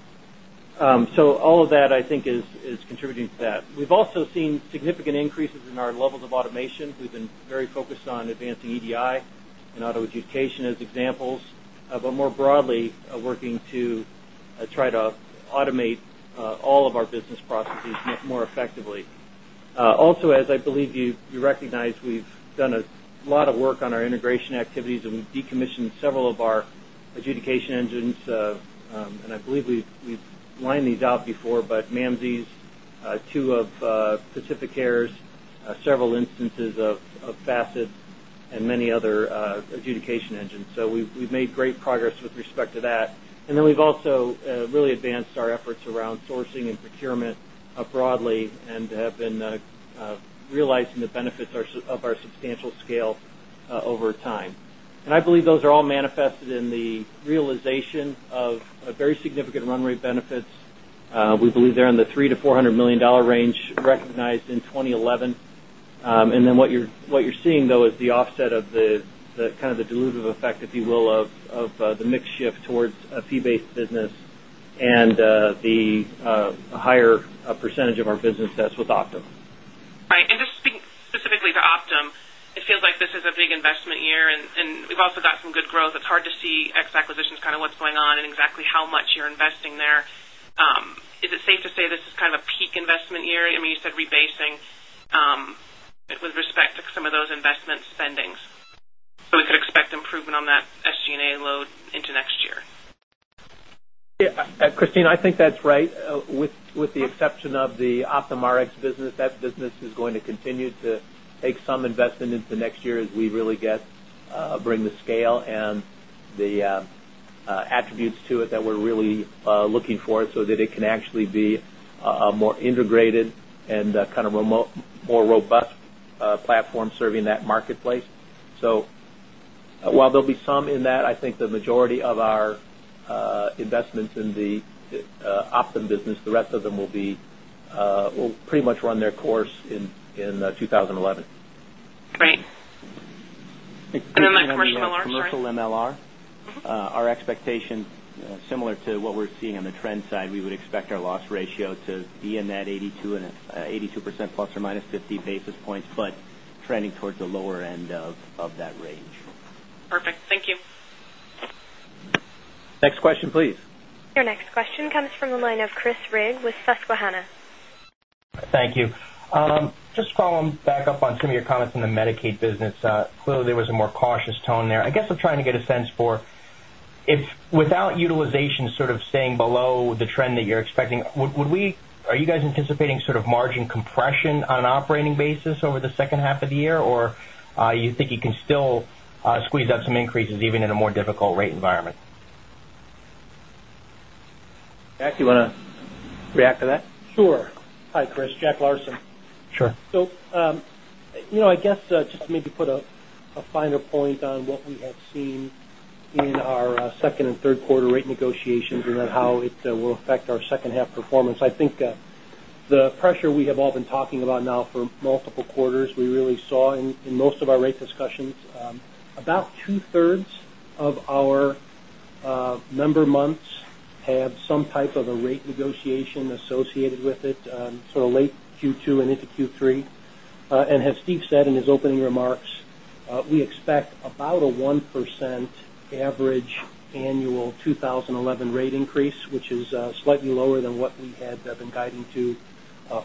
All of that I think is contributing to that. We've also seen significant increases in our levels of automation. We've been very focused on advancing EDI and auto adjudication as examples, but more broadly working to try to automate all of our business processes more effectively. Also, as I believe you recognize, we've done a lot of work on our integration activities, and we've decommissioned several of our adjudication engines. I believe we've lined these out before, but Mamzies, two of PacifiCare's, several instances of Fassett, and many other adjudication engines. We've made great progress with respect to that. We've also really advanced our efforts around sourcing and procurement broadly and have been realizing the benefits of our substantial scale over time. I believe those are all manifested in the realization of very significant run rate benefits. We believe they're in the $300 million-$400 million range recognized in 2011. What you're seeing, though, is the offset of the kind of the dilutive effect, if you will, of the mix shift towards a fee-based business and the higher percentage of our business that's with Optum. Right. Just speaking specifically to Optum, it feels like this is a big investment year, and we've also got some good growth. It's hard to see ex-acquisitions, kind of what's going on, and exactly how much you're investing there. Is it safe to say this is kind of a peak investment year? I mean, you said rebasing with respect to some of those investments' spendings. We could expect improvement on that SG&A load into next year. Yeah, Christine, I think that's right. With the exception of the Optum Rx business, that business is going to continue to take some investment into next year as we really bring the scale and the attributes to it that we're really looking for so that it can actually be a more integrated and kind of remote, more robust platform serving that marketplace. While there'll be some in that, I think the majority of our investments in the Optum business, the rest of them will pretty much run their course in 2011. Right. The commercial medical care ratio, our expectation, similar to what we're seeing on the trend side, is that we would expect our loss ratio to be in that 82%± 50 basis points, but trending toward the lower end of that range. Perfect. Thank you. Next question, please. Your next question comes from the line of Chris Rigg with Susquehanna. Thank you. Just following back up on some of your comments on the Medicaid business, clearly there was a more cautious tone there. I guess I'm trying to get a sense for if without utilization sort of staying below the trend that you're expecting, are you guys anticipating sort of margin compression on an operating basis over the second half of the year, or do you think you can still squeeze out some increases even in a more difficult rate environment? Jack, you want to react to that? Sure. Hi, Chris. Jack Larsen. Sure. I guess just to maybe put a finer point on what we have seen in our second and third quarter rate negotiations and then how it will affect our second half performance. I think the pressure we have all been talking about now for multiple quarters, we really saw in most of our rate discussions, about 2/3 of our member months have some type of a rate negotiation associated with it, sort of late Q2 and into Q3. As Steve said in his opening remarks, we expect about a 1% average annual 2011 rate increase, which is slightly lower than what we had been guiding to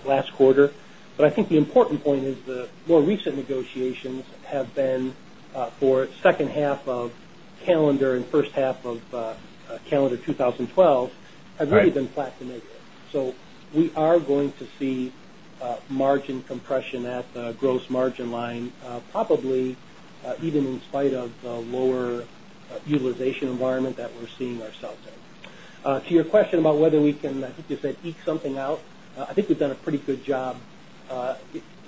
last quarter. I think the important point is the more recent negotiations have been for the second half of calendar and first half of calendar 2012 have really been flat to negative. We are going to see margin compression at the gross margin line, probably even in spite of the lower utilization environment that we're seeing ourselves in. To your question about whether we can, I think you said, eek something out, I think we've done a pretty good job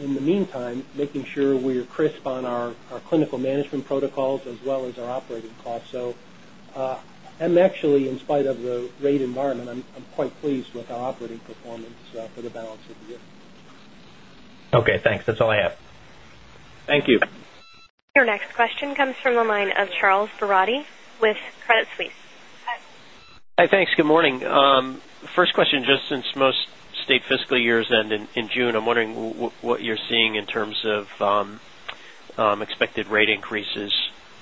in the meantime making sure we're crisp on our clinical management protocols as well as our operating costs. I'm actually, in spite of the rate environment, quite pleased with our operating performance for the balance of the year. Okay, thanks. That's all I have. Thank you. Your next question comes from the line of Charles Boorady with Crédit Suisse. Hi, thanks. Good morning. First question, just since most state fiscal years end in June, I'm wondering what you're seeing in terms of expected rate increases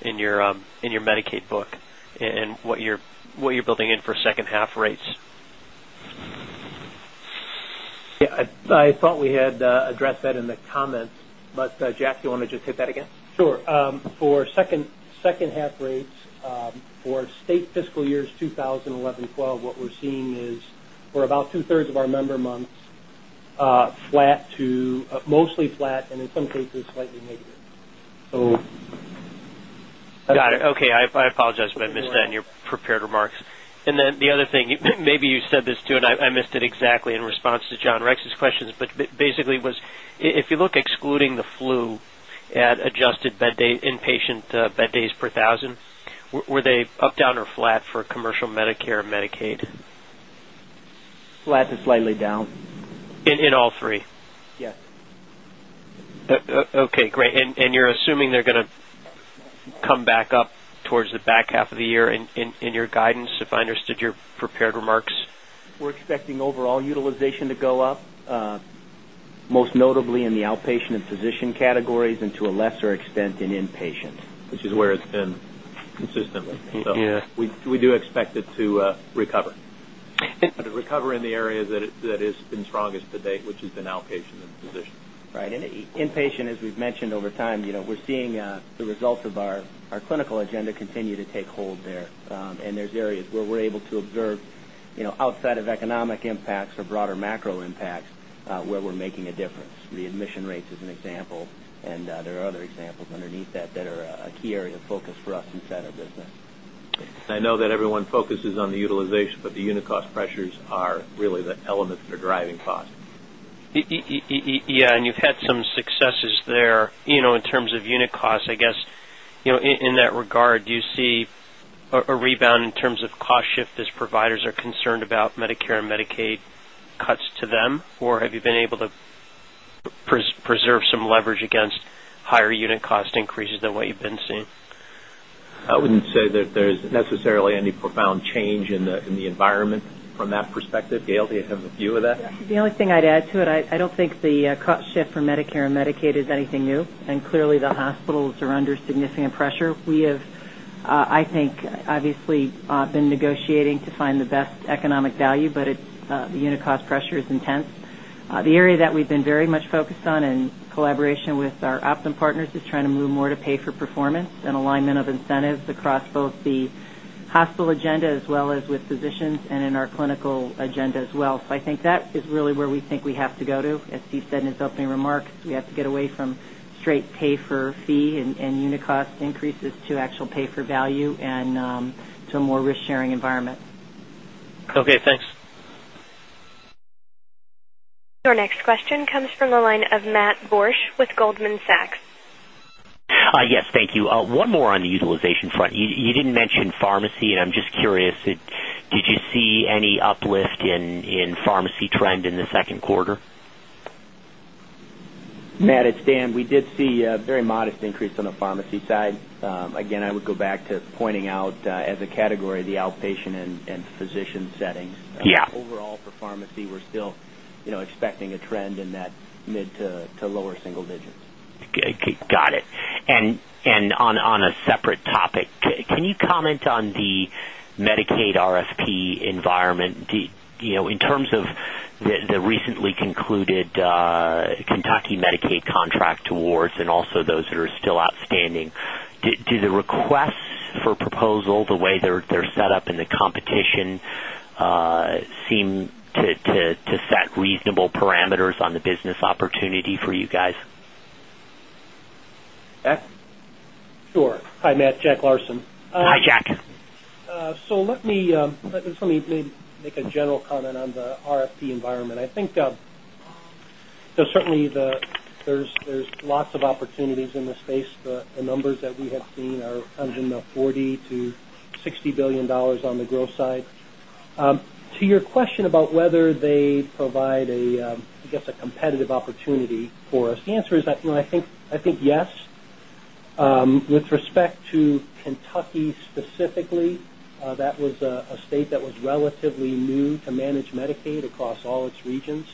in your Medicaid book and what you're building in for second half rates. Yeah, I thought we had addressed that in the comments, but Jack, do you want to just hit that again? Sure. For second half rates for state fiscal years 2011-2012, what we're seeing is for about 2/3 of our member months flat to mostly flat, and in some cases slightly negative. Got it. Okay, I apologize if I missed that in your prepared remarks. The other thing, maybe you said this too, and I missed it exactly in response to John Rex's questions, but basically was if you look excluding the flu at adjusted inpatient bed days per 1,000, were they up, down, or flat for commercial, Medicare, and Medicaid? Flat to slightly down. In all three? Yes. Okay, great. You're assuming they're going to come back up towards the back half of the year in your guidance, if I understood your prepared remarks? We're expecting overall utilization to go up, most notably in the outpatient and physician categories, and to a lesser extent in inpatient. Which is where it's been consistently. Yeah. We do expect it to recover. I think. It recovered in the areas that it's been strongest to date, which has been outpatient and physician. Right. In inpatient, as we've mentioned over time, you know we're seeing the results of our clinical agenda continue to take hold there. There are areas where we're able to observe, you know, outside of economic impacts or broader macro impacts, where we're making a difference. Readmission rates is an example, and there are other examples underneath that that are a key area of focus for us inside our business. I know that everyone focuses on the utilization, but the unit cost pressures are really the elements that are driving cost. Yeah, and you've had some successes there in terms of unit costs. I guess in that regard, do you see a rebound in terms of cost shift as providers are concerned about Medicare and Medicaid cuts to them? Or have you been able to preserve some leverage against higher unit cost increases than what you've been seeing? I wouldn't say that there's necessarily any profound change in the environment from that perspective. Gail, do you have a view of that? The only thing I'd add to it, I don't think the cost shift for Medicare and Medicaid is anything new. Clearly, the hospitals are under significant pressure. We have, I think, obviously been negotiating to find the best economic value, but the unit cost pressure is intense. The area that we've been very much focused on in collaboration with our Optum partners is trying to move more to pay-for-performance and alignment of incentives across both the hospital agenda as well as with physicians and in our clinical agenda as well. I think that is really where we think we have to go to. As Steve said in his opening remarks, we have to get away from straight pay-for-fee and unit cost increases to actual pay-for-value and to a more risk-sharing environment. Okay, thanks. Your next question comes from the line of Matt Borsch with Goldman Sachs. Yes, thank you. One more on the utilization front. You didn't mention pharmacy, and I'm just curious, did you see any uplift in pharmacy trend in the second quarter? Matt, it's Dan. We did see a very modest increase on the pharmacy side. I would go back to pointing out as a category of the outpatient and physician settings. Yeah, overall for pharmacy, we're still, you know, expecting a trend in that mid to lower single digit. Got it. On a separate topic, can you comment on the Medicaid RFP environment? In terms of the recently concluded Kentucky Medicaid contract awards and also those that are still outstanding, do the requests for proposal, the way they're set up in the competition, seem to set reasonable parameters on the business opportunity for you guys? Sure. Hi, Matt. Jack Larsen. Hi, Jack. Let me maybe make a general comment on the RFP environment. I think, certainly, there's lots of opportunities in this space. The numbers that we have seen are in the $40 billion-$60 billion on the growth side. To your question about whether they provide a, I guess, a competitive opportunity for us, the answer is that, you know, I think yes. With respect to Kentucky specifically, that was a state that was relatively new to manage Medicaid across all its regions.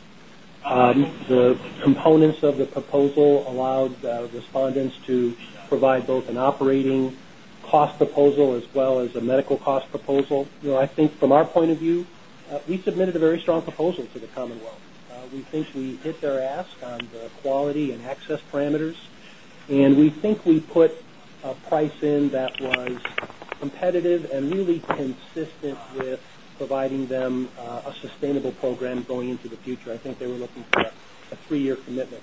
The components of the proposal allowed the respondents to provide both an operating cost proposal as well as a medical cost proposal. I think from our point of view, we submitted a very strong proposal to the commonwealth. We think we hit their ask on the quality and access parameters. We think we put a price in that was competitive and really consistent with providing them a sustainable program going into the future. I think they were looking for a three-year commitment.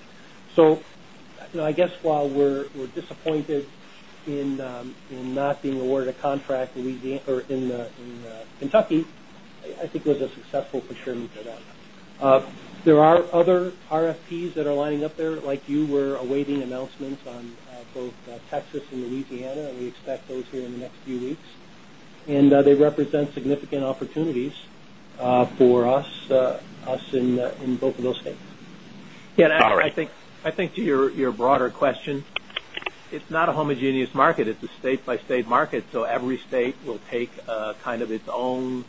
While we're disappointed in not being awarded a contract in Kentucky, I think it was a successful procurement for that. There are other RFPs that are lining up there. Like you were awaiting announcements on both Texas and Louisiana, and we expect those here in the next few weeks. They represent significant opportunities for us in both of those states. I think to your broader question, it's not a homogeneous market. It's a state-by-state market. Every state will take kind of its own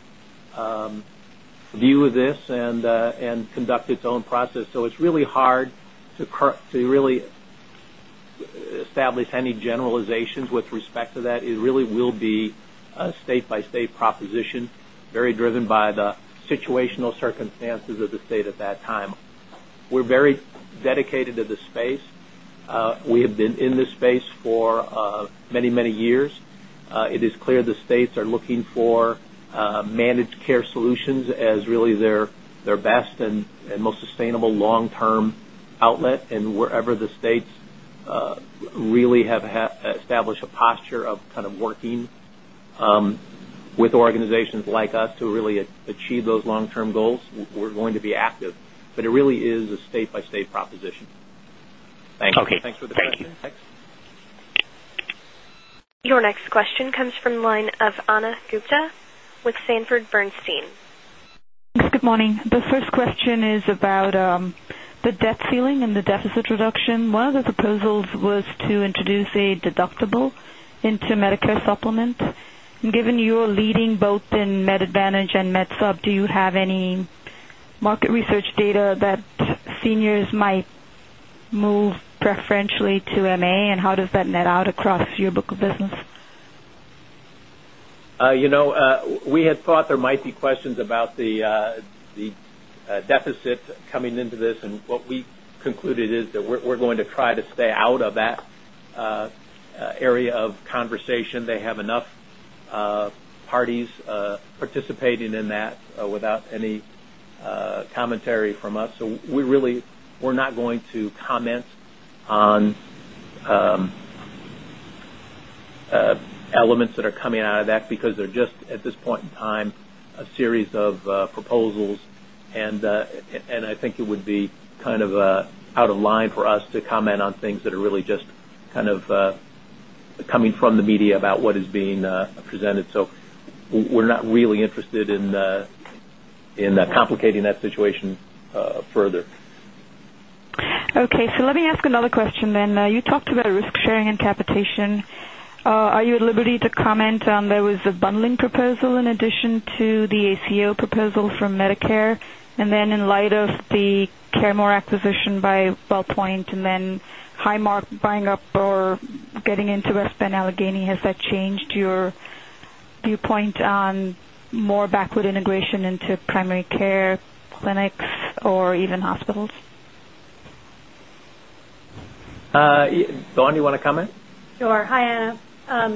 view of this and conduct its own process. It's really hard to really establish any generalizations with respect to that. It really will be a state-by-state proposition, very driven by the situational circumstances of the state at that time. We're very dedicated to this space. We have been in this space for many, many years. It is clear the states are looking for managed care solutions as really their best and most sustainable long-term outlet. Wherever the states really have established a posture of kind of working with organizations like us to really achieve those long-term goals, we're going to be active. It really is a state-by-state proposition. Thank you. Thanks for the question. Thank you. Your next question comes from the line of Ana Gupte with Sanford Bernstein. Good morning. The first question is about the debt ceiling and the deficit reduction. One of the proposals was to introduce a deductible into Medicare supplement. Given you're leading both in Med Advantage and Med supp, do you have any market research data that seniors might move preferentially to MA? How does that net out across your book of business? We had thought there might be questions about the deficit coming into this, and what we concluded is that we're going to try to stay out of that area of conversation. They have enough parties participating in that without any commentary from us. We really were not going to comment on elements that are coming out of that because they're just, at this point in time, a series of proposals. I think it would be kind of out of line for us to comment on things that are really just kind of coming from the media about what is being presented. We're not really interested in complicating that situation further. Okay. Let me ask another question. You talked about risk sharing and capitation. Are you at liberty to comment on there was a bundling proposal in addition to the ACO proposal from Medicare? In light of the CareMore acquisition by WellPoint and Highmark buying up or getting into West Penn Allegheny, has that changed your viewpoint on more backward integration into primary care clinics or even hospitals? Dawn, you want to comment? Sure. Hi,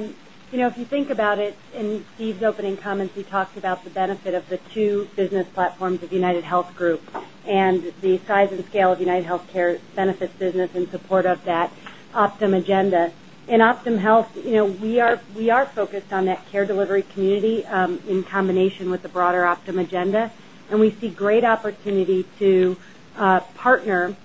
Anna. If you think about it, in Steve's opening comments, he talked about the benefit of the two business platforms of UnitedHealth Group and the size and scale of UnitedHealthcare benefits business in support of that Optum agenda. In Optum Health, we are focused on that care delivery community in combination with the broader Optum agenda. We see great opportunity to partner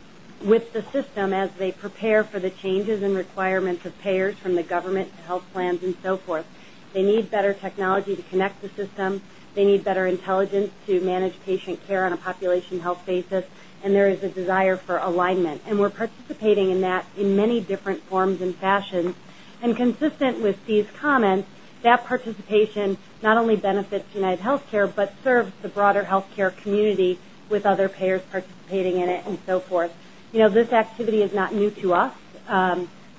with the system as they prepare for the changes and requirements of payers from the government to health plans and so forth. They need better technology to connect the system. They need better intelligence to manage patient care on a population health basis. There is a desire for alignment. We're participating in that in many different forms and fashions. Consistent with Steve's comment, that participation not only benefits UnitedHealthcare, but serves the broader healthcare community with other payers participating in it and so forth. This activity is not new to us,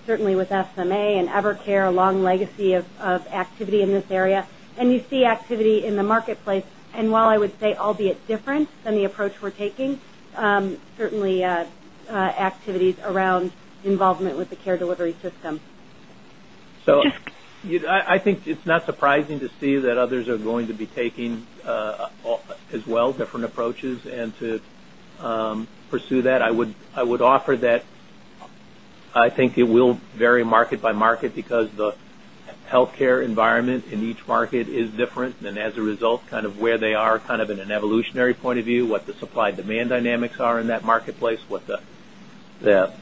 certainly with SMA and EverCare, a long legacy of activity in this area. You see activity in the marketplace. While I would say albeit different than the approach we're taking, certainly activities around involvement with the care delivery system. I think it's not surprising to see that others are going to be taking as well different approaches to pursue that. I would offer that I think it will vary market by market because the healthcare environment in each market is different. As a result, where they are in an evolutionary point of view, what the supply-demand dynamics are in that marketplace, and what the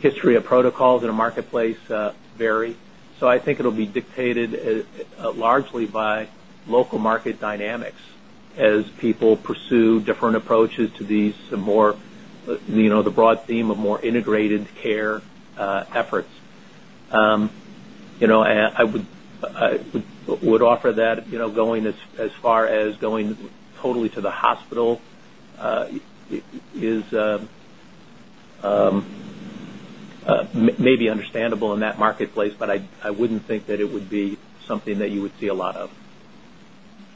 history of protocols in a marketplace vary. I think it'll be dictated largely by local market dynamics as people pursue different approaches to the broad theme of more integrated care efforts. I would offer that going as far as going totally to the hospital is maybe understandable in that marketplace, but I wouldn't think that it would be something that you would see a lot of.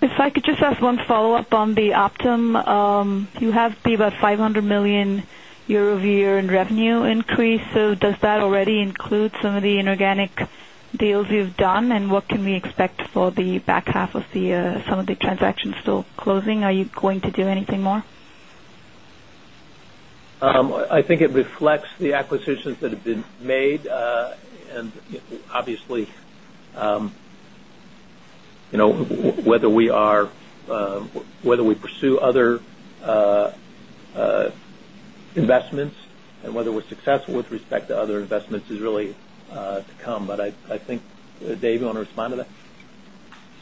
If I could just ask one follow-up on Optum, you have about $500 million a year-over-year in revenue increase. Does that already include some of the inorganic deals you've done? What can we expect for the back half of the year, with some of the transactions still closing? Are you going to do anything more? I think it reflects the acquisitions that have been made. Obviously, you know, whether we pursue other investments and whether we're successful with respect to other investments is really to come. I think Dave, you want to respond to that?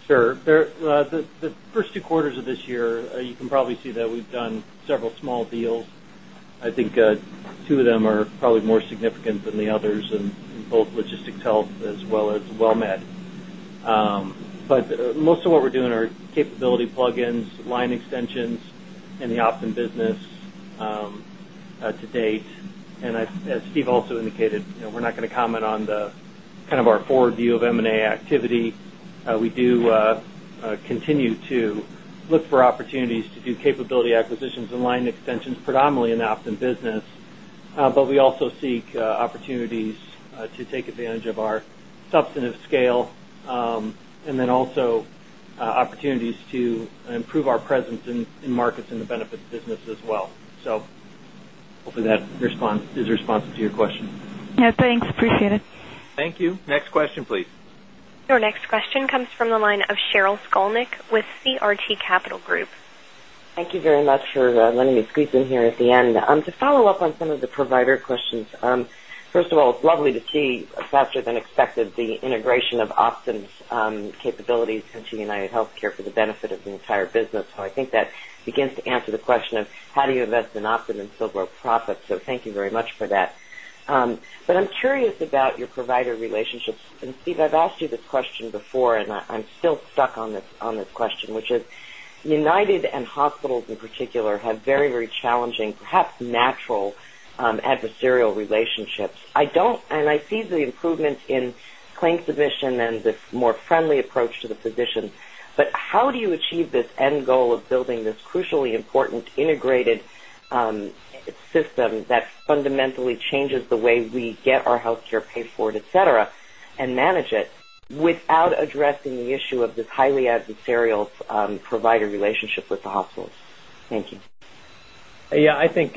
Sure. The first two quarters of this year, you can probably see that we've done several small deals. I think two of them are probably more significant than the others in both Logistics Health as well as WellMed. Most of what we're doing are capability plugins, line extensions, and the Optum business to date. As Steve also indicated, you know, we're not going to comment on the kind of our forward view of M&A activity. We do continue to look for opportunities to do capability acquisitions and line extensions predominantly in the Optum business. We also seek opportunities to take advantage of our substantive scale and then also opportunities to improve our presence in markets in the benefits business as well. Hopefully, that is a response to your question. Yeah, thanks. Appreciate it. Thank you. Next question, please. Your next question comes from the line of Sheryl Skolnick with CRT Capital Group. Thank you very much for letting me squeeze in here at the end. To follow up on some of the provider questions, first of all, lovely to see, faster than expected, the integration of Optum's capabilities into UnitedHealthcare for the benefit of the entire business. I think that begins to answer the question of how do you invest in Optum and still grow profits. Thank you very much for that. I'm curious about your provider relationships. Steve, I've asked you this question before, and I'm still stuck on this question, which is United and hospitals in particular have very, very challenging, perhaps natural adversarial relationships. I don't, and I see the improvements in claim submission and the more friendly approach to the physician. How do you achieve this end goal of building this crucially important integrated system that fundamentally changes the way we get our healthcare paid for, etc., and manage it without addressing the issue of this highly adversarial provider relationship with the hospitals? Thank you. I think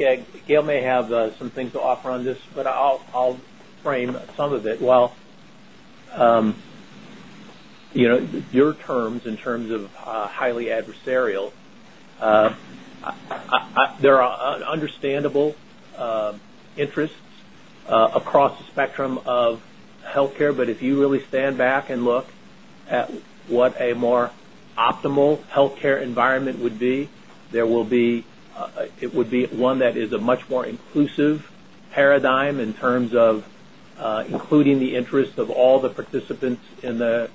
Gail may have something to offer on this, but I'll frame some of it. Your terms in terms of highly adversarial, there are understandable interests across the spectrum of healthcare. If you really stand back and look at what a more optimal healthcare environment would be, it would be one that is a much more inclusive paradigm in terms of including the interests of all the participants in the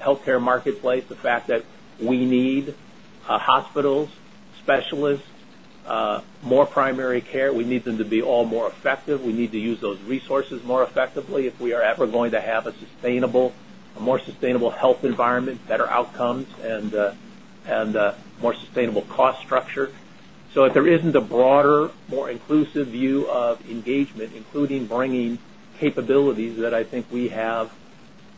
healthcare marketplace, the fact that we need hospitals, specialists, more primary care. We need them to be all more effective. We need to use those resources more effectively if we are ever going to have a more sustainable health environment, better outcomes, and more sustainable cost structure. If there isn't a broader, more inclusive view of engagement, including bringing capabilities that I think we have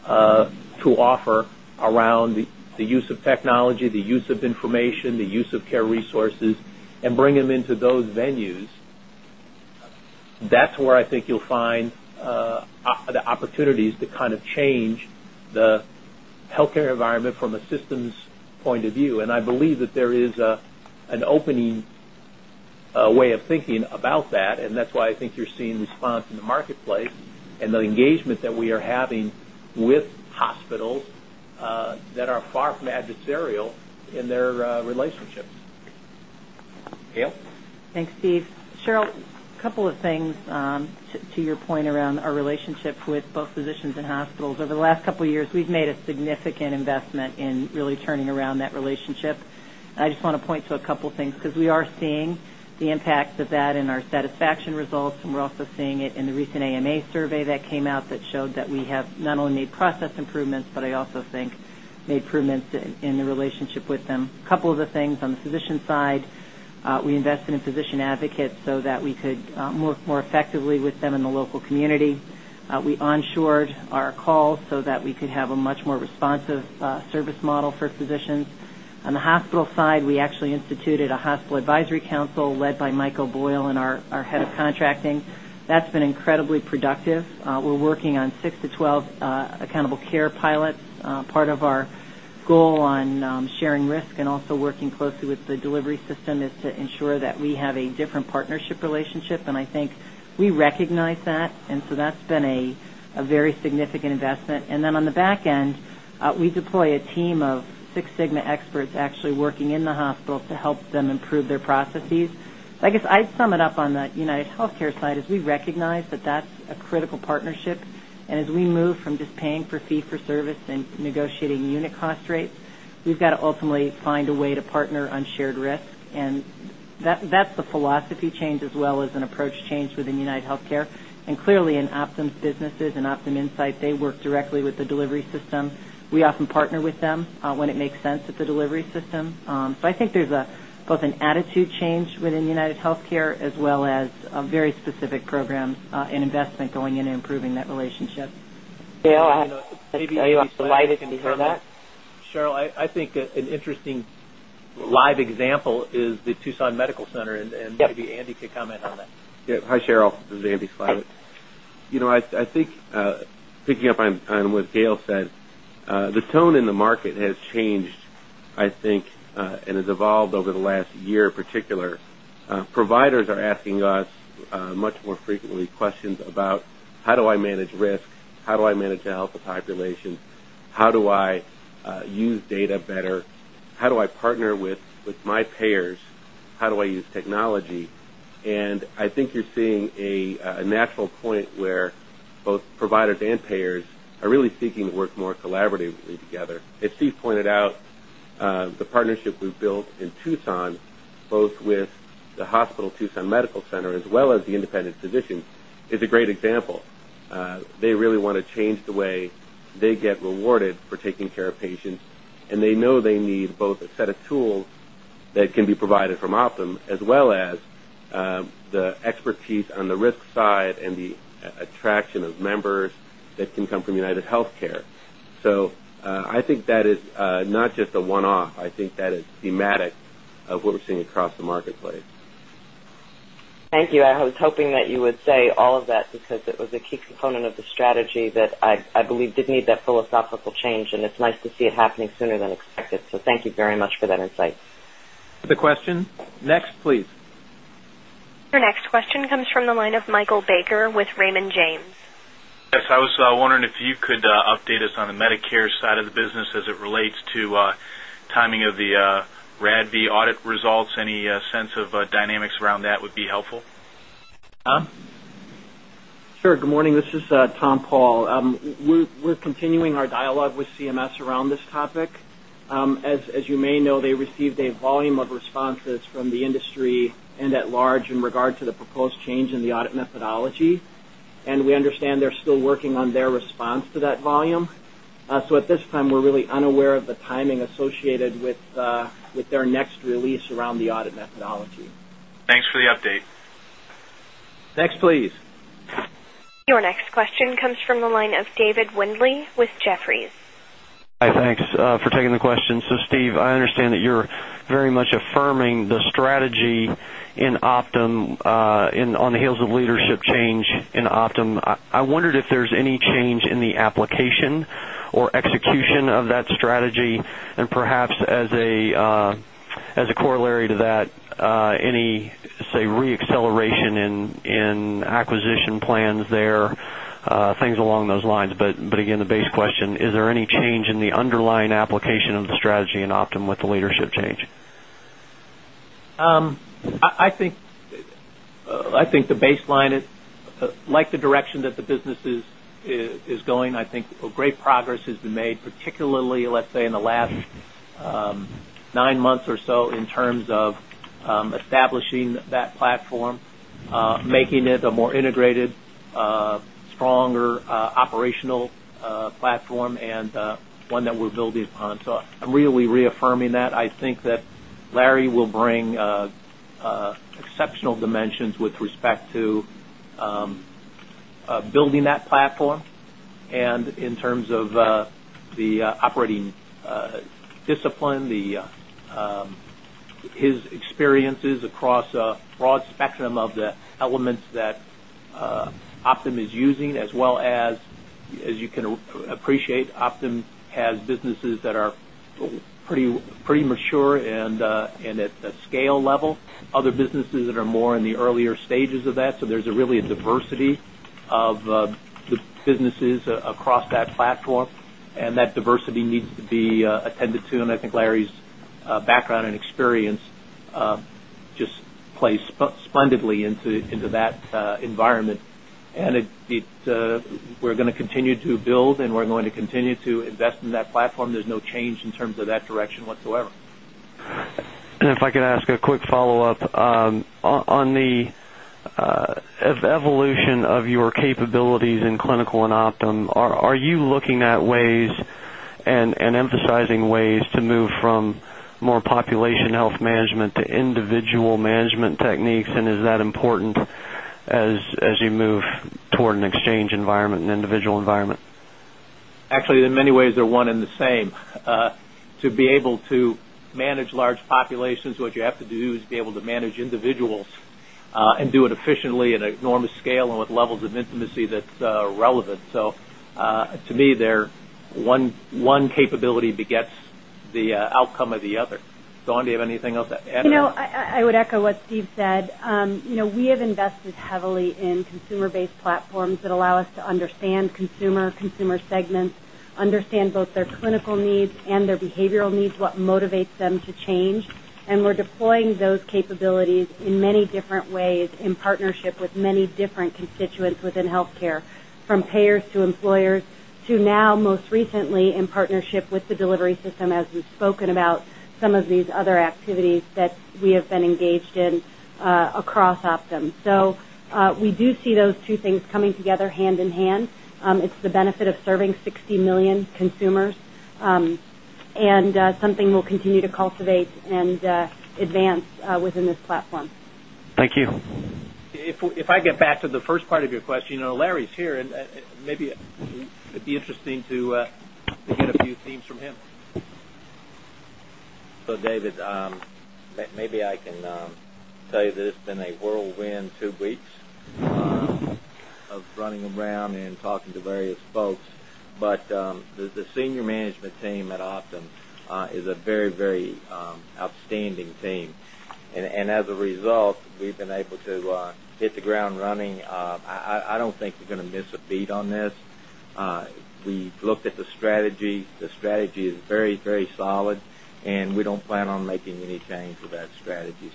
to offer around the use of technology, the use of information, the use of care resources, and bring them into those venues, that's where I think you'll find the opportunities to kind of change the healthcare environment from a systems point of view. I believe that there is an opening way of thinking about that. That's why I think you're seeing response in the marketplace and the engagement that we are having with hospitals that are far from adversarial in their relationships. Thanks, Steve. Cheryl, a couple of things to your point around our relationships with both physicians and hospitals. Over the last couple of years, we've made a significant investment in really turning around that relationship. I just want to point to a couple of things because we are seeing the impacts of that in our satisfaction results. We're also seeing it in the recent AMA survey that came out that showed that we have not only made process improvements, but I also think made improvements in the relationship with them. A couple of the things on the physician side, we invested in physician advocates so that we could work more effectively with them in the local community. We onshored our calls so that we could have a much more responsive service model for physicians. On the hospital side, we actually instituted a hospital advisory council led by Michael Boyle and our Head of Contracting. That's been incredibly productive. We're working on six to 12 accountable care pilots. Part of our goal on sharing risk and also working closely with the delivery system is to ensure that we have a different partnership relationship. I think we recognize that. That's been a very significant investment. On the back end, we deploy a team of Six Sigma experts actually working in the hospital to help them improve their processes. I'd sum it up on the UnitedHealthcare side as we recognize that that's a critical partnership. As we move from just paying per fee for service and negotiating unit cost rates, we've got to ultimately find a way to partner on shared risk. That's the philosophy change as well as an approach change within UnitedHealthcare. Clearly, in Optum's businesses and OptumInsight, they work directly with the delivery system. We often partner with them when it makes sense at the delivery system. I think there's both an attitude change within UnitedHealthcare as well as a very specific program and investment going in and improving that relationship. Gail, are you on Slide, and can you hear that? Cheryl, I think an interesting live example is the Tucson Medical Center. Maybe Andy could comment on that. Yeah. Hi, Sheryl. This is Andy Slavitt. Thanks. I think picking up on what Gail said, the tone in the market has changed, I think, and has evolved over the last year in particular. Providers are asking us much more frequently questions about how do I manage risk? How do I manage to help the population? How do I use data better? How do I partner with my payers? How do I use technology? I think you're seeing a natural point where both providers and payers are really seeking to work more collaboratively together. As Steve pointed out, the partnership we've built in Tucson, both with the hospital Tucson Medical Center as well as the independent physician, is a great example. They really want to change the way they get rewarded for taking care of patients. They know they need both a set of tools that can be provided from Optum as well as the expertise on the risk side and the attraction of members that can come from UnitedHealthcare. I think that is not just a one-off. I think that is thematic of what we're seeing across the marketplace. Thank you. I was hoping that you would say all of that because it was a key component of the strategy that I believe did need that philosophical change. It's nice to see it happening sooner than expected. Thank you very much for that insight. Next, please. Your next question comes from the line of Michael Baker with Raymond James. Yes, I was wondering if you could update us on the Medicare side of the business as it relates to timing of the RADV audit results. Any sense of dynamics around that would be helpful. Sure. Good morning. This is Tom Paul. We're continuing our dialogue with CMS around this topic. As you may know, they received a volume of responses from the industry and at charge. In regard to the proposed change in the audit methodology, we understand they're still working on their response to that volume. At this time, we're really unaware of the timing associated with their next release around the audit methodology. Thanks for the update. Thanks, please. Your next question comes from the line of Dave Windley with Jefferies. Hi, thanks for taking the question. Steve, I understand that you're very much affirming the strategy in Optum on the heels of leadership change in Optum. I wondered if there's any change in the application or execution of that strategy, and perhaps as a corollary to that, any reacceleration in acquisition plans there, things along those lines. Again, the base question, is there any change in the underlying application of the strategy in Optum with the leadership change? I think the baseline is, like the direction that the business is going. I think great progress has been made, particularly, let's say, in the last nine months or so in terms of establishing that platform, making it a more integrated, stronger, operational platform and one that we're building upon. I'm really reaffirming that. I think that Larry will bring exceptional dimensions with respect to building that platform and in terms of the operating discipline, his experiences across a broad spectrum of the elements that Optum is using, as well as, as you can appreciate, Optum has businesses that are pretty mature and at the scale level, other businesses that are more in the earlier stages of that. There's really a diversity of the businesses across that platform, and that diversity needs to be attended to. I think Larry's background and experience just plays splendidly into that environment. We're going to continue to build, and we're going to continue to invest in that platform. There's no change in terms of that direction whatsoever. If I could ask a quick follow-up on the evolution of your capabilities in clinical in Optum, are you looking at ways and emphasizing ways to move from more population health management to individual management techniques, and is that important as you move toward an exchange environment and individual environment? Actually, in many ways, they're one and the same. To be able to manage large populations, what you have to do is be able to manage individuals and do it efficiently at an enormous scale and with levels of intimacy that's relevant. To me, they're one; one capability begets the outcome of the other. Dawn, do you have anything else to add? I would echo what Steve said. We have invested heavily in consumer-based platforms that allow us to understand consumer segments, understand both their clinical needs and their behavioral needs, what motivates them to change. We're deploying those capabilities in many different ways in partnership with many different constituents within healthcare, from payers to employers to now, most recently, in partnership with the delivery system, as we've spoken about some of these other activities that we have been engaged in, across Optum. We do see those two things coming together hand in hand. It's the benefit of serving 60 million consumers, and something we'll continue to cultivate and advance within this platform. Thank you. If I get back to the first part of your question, you know, Larry's here, and maybe it'd be interesting to get a few themes from him. David, maybe I can tell you that it's been a whirlwind two weeks of running around and talking to various folks. The senior management team at Optum is a very, very outstanding team, and as a result, we've been able to hit the ground running. I don't think we're going to miss a beat on this. We've looked at the strategy. The strategy is very, very solid, and we don't plan on making any change with that strategy.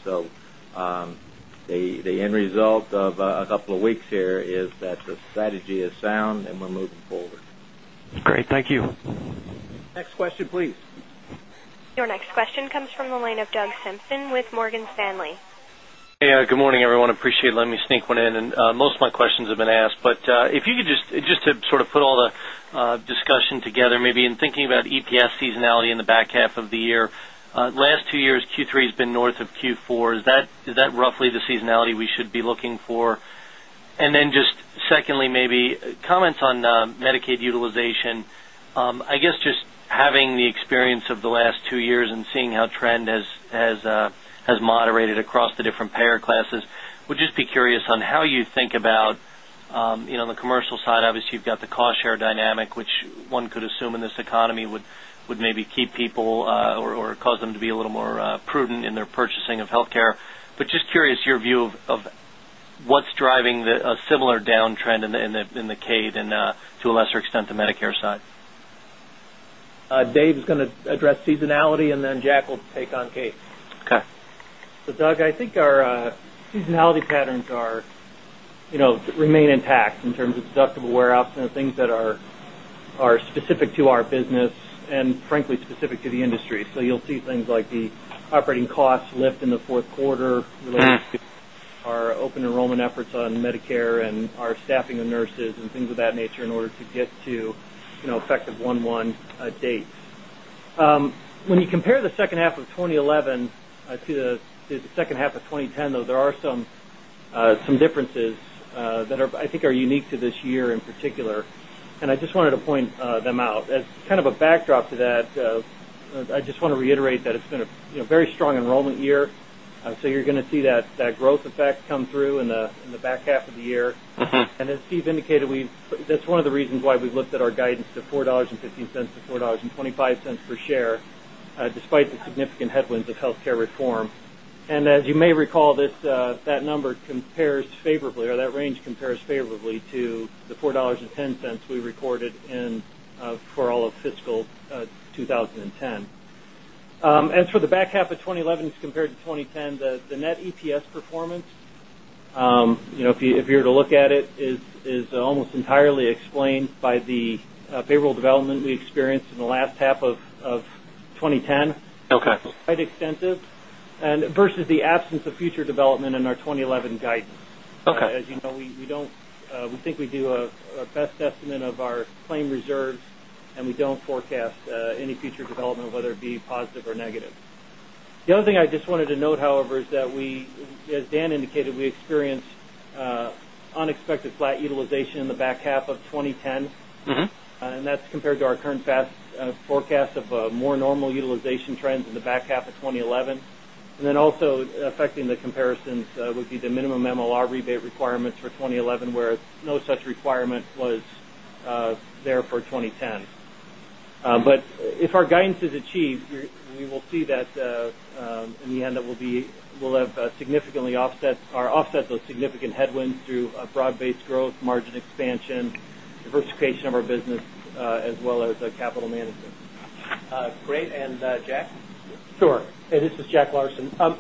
The end result of a couple of weeks here is that the strategy is sound, and we're moving forward. Great. Thank you. Next question, please. Your next question comes from the line of Doug Simpson with Morgan Stanley. Hey, good morning, everyone. Appreciate letting me sneak one in. Most of my questions have been asked, but if you could just, just to sort of put all the discussion together, maybe in thinking about EPS seasonality in the back half of the year, last two years, Q3's been north of Q4. Is that roughly the seasonality we should be looking for? Secondly, maybe comments on Medicaid utilization. I guess just having the experience of the last two years and seeing how trend has moderated across the different payer classes, would just be curious on how you think about, you know, on the commercial side, obviously, you've got the cost-share dynamic, which one could assume in this economy would maybe keep people, or cause them to be a little more prudent in their purchasing of healthcare. Just curious your view of what's driving the similar downtrend in the CAID and, to a lesser extent, the Medicare side. going to address seasonality, and then Jack will take on CAID. Okay. Doug, I think our seasonality patterns remain intact in terms of deductible warehouse and the things that are specific to our business and, frankly, specific to the industry. You'll see things like the operating costs lift in the fourth quarter related to our open enrollment efforts on Medicare and our staffing of nurses and things of that nature in order to get to effective 1/1 dates. When you compare the second half of 2011 to the second half of 2010, there are some differences that I think are unique to this year in particular. I just wanted to point them out. As kind of a backdrop to that, I just want to reiterate that it's been a very strong enrollment year, so you're going to see that growth effect come through in the back half of the year. As Steve indicated, that's one of the reasons why we've looked at our guidance to $4.15-$4.25 per share, despite the significant headwinds of healthcare reform. As you may recall, that number compares favorably, or that range compares favorably, to the $4.10 we recorded for all of fiscal 2010. As for the back half of 2011 as compared to 2010, the net EPS performance, if you were to look at it, is almost entirely explained by the payroll development we experienced in the last half of 2010. Okay. Quite extensive versus the absence of future development in our 2011 guidance. Okay. As you know, we think we do a best estimate of our claim reserves, and we don't forecast any future development, whether it be positive or negative. The other thing I just wanted to note, however, is that we, as Dan indicated, we experienced unexpected flat utilization in the back half of 2010. Mm-hmm. That's compared to our current FAS forecast of a more normal utilization trend in the back half of 2011. Also affecting the comparisons would be the minimum medical loss ratio requirements for 2011, where no such requirement was there for 2010. If our guidance is achieved, we will see that in the end, we will have significantly offset those significant headwinds through broad-based growth, margin expansion, diversification of our business, as well as capital management. Great. Jack? Sure. This is Jack Larsen. To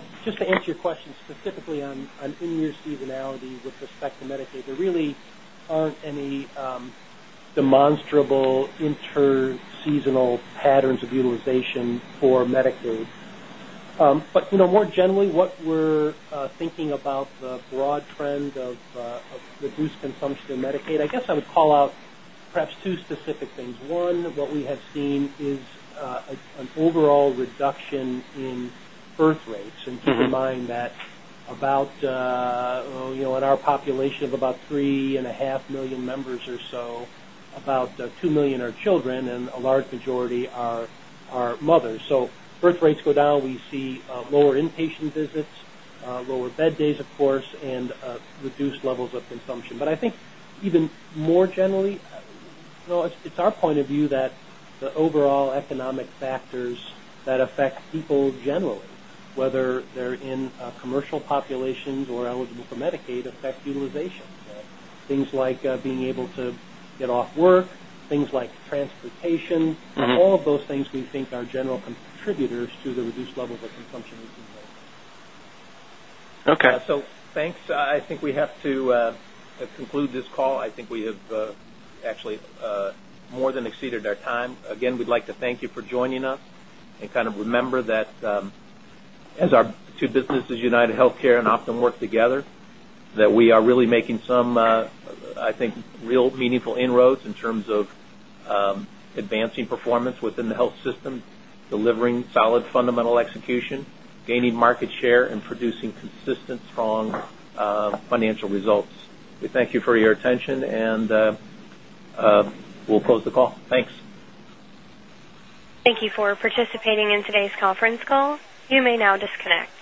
answer your question specifically on in-year seasonality with respect to Medicaid, there really aren't any demonstrable inter-seasonal patterns of utilization for Medicaid. More generally, when we're thinking about the broad trend of reduced consumption in Medicaid, I would call out perhaps two specific things. One, what we have seen is an overall reduction in birth rates. Mm-hmm. Keep in mind that in our population of about 3.5 million members or so, about 2 million are children, and a large majority are mothers. As birth rates go down, we see lower inpatient visits, lower bed days, of course, and reduced levels of consumption. I think even more generally, it's our point of view that the overall economic factors that affect people generally, whether they're in commercial populations or eligible for Medicaid, affect utilization. Mm-hmm. Things like being able to get off work, things like transportation. Mm-hmm. All of those things we think are general contributors to the reduced level of consumption we've seen lately. Okay. Thank you. I think we have to conclude this call. I think we have actually more than exceeded our time. Again, we'd like to thank you for joining us and remember that, as our two businesses, UnitedHealthcare and Optum, work together, we are really making some, I think, real meaningful inroads in terms of advancing performance within the health system, delivering solid fundamental execution, gaining market share, and producing consistent, strong financial results. We thank you for your attention, and we'll close the call. Thanks. Thank you for participating in today's conference call. You may now disconnect.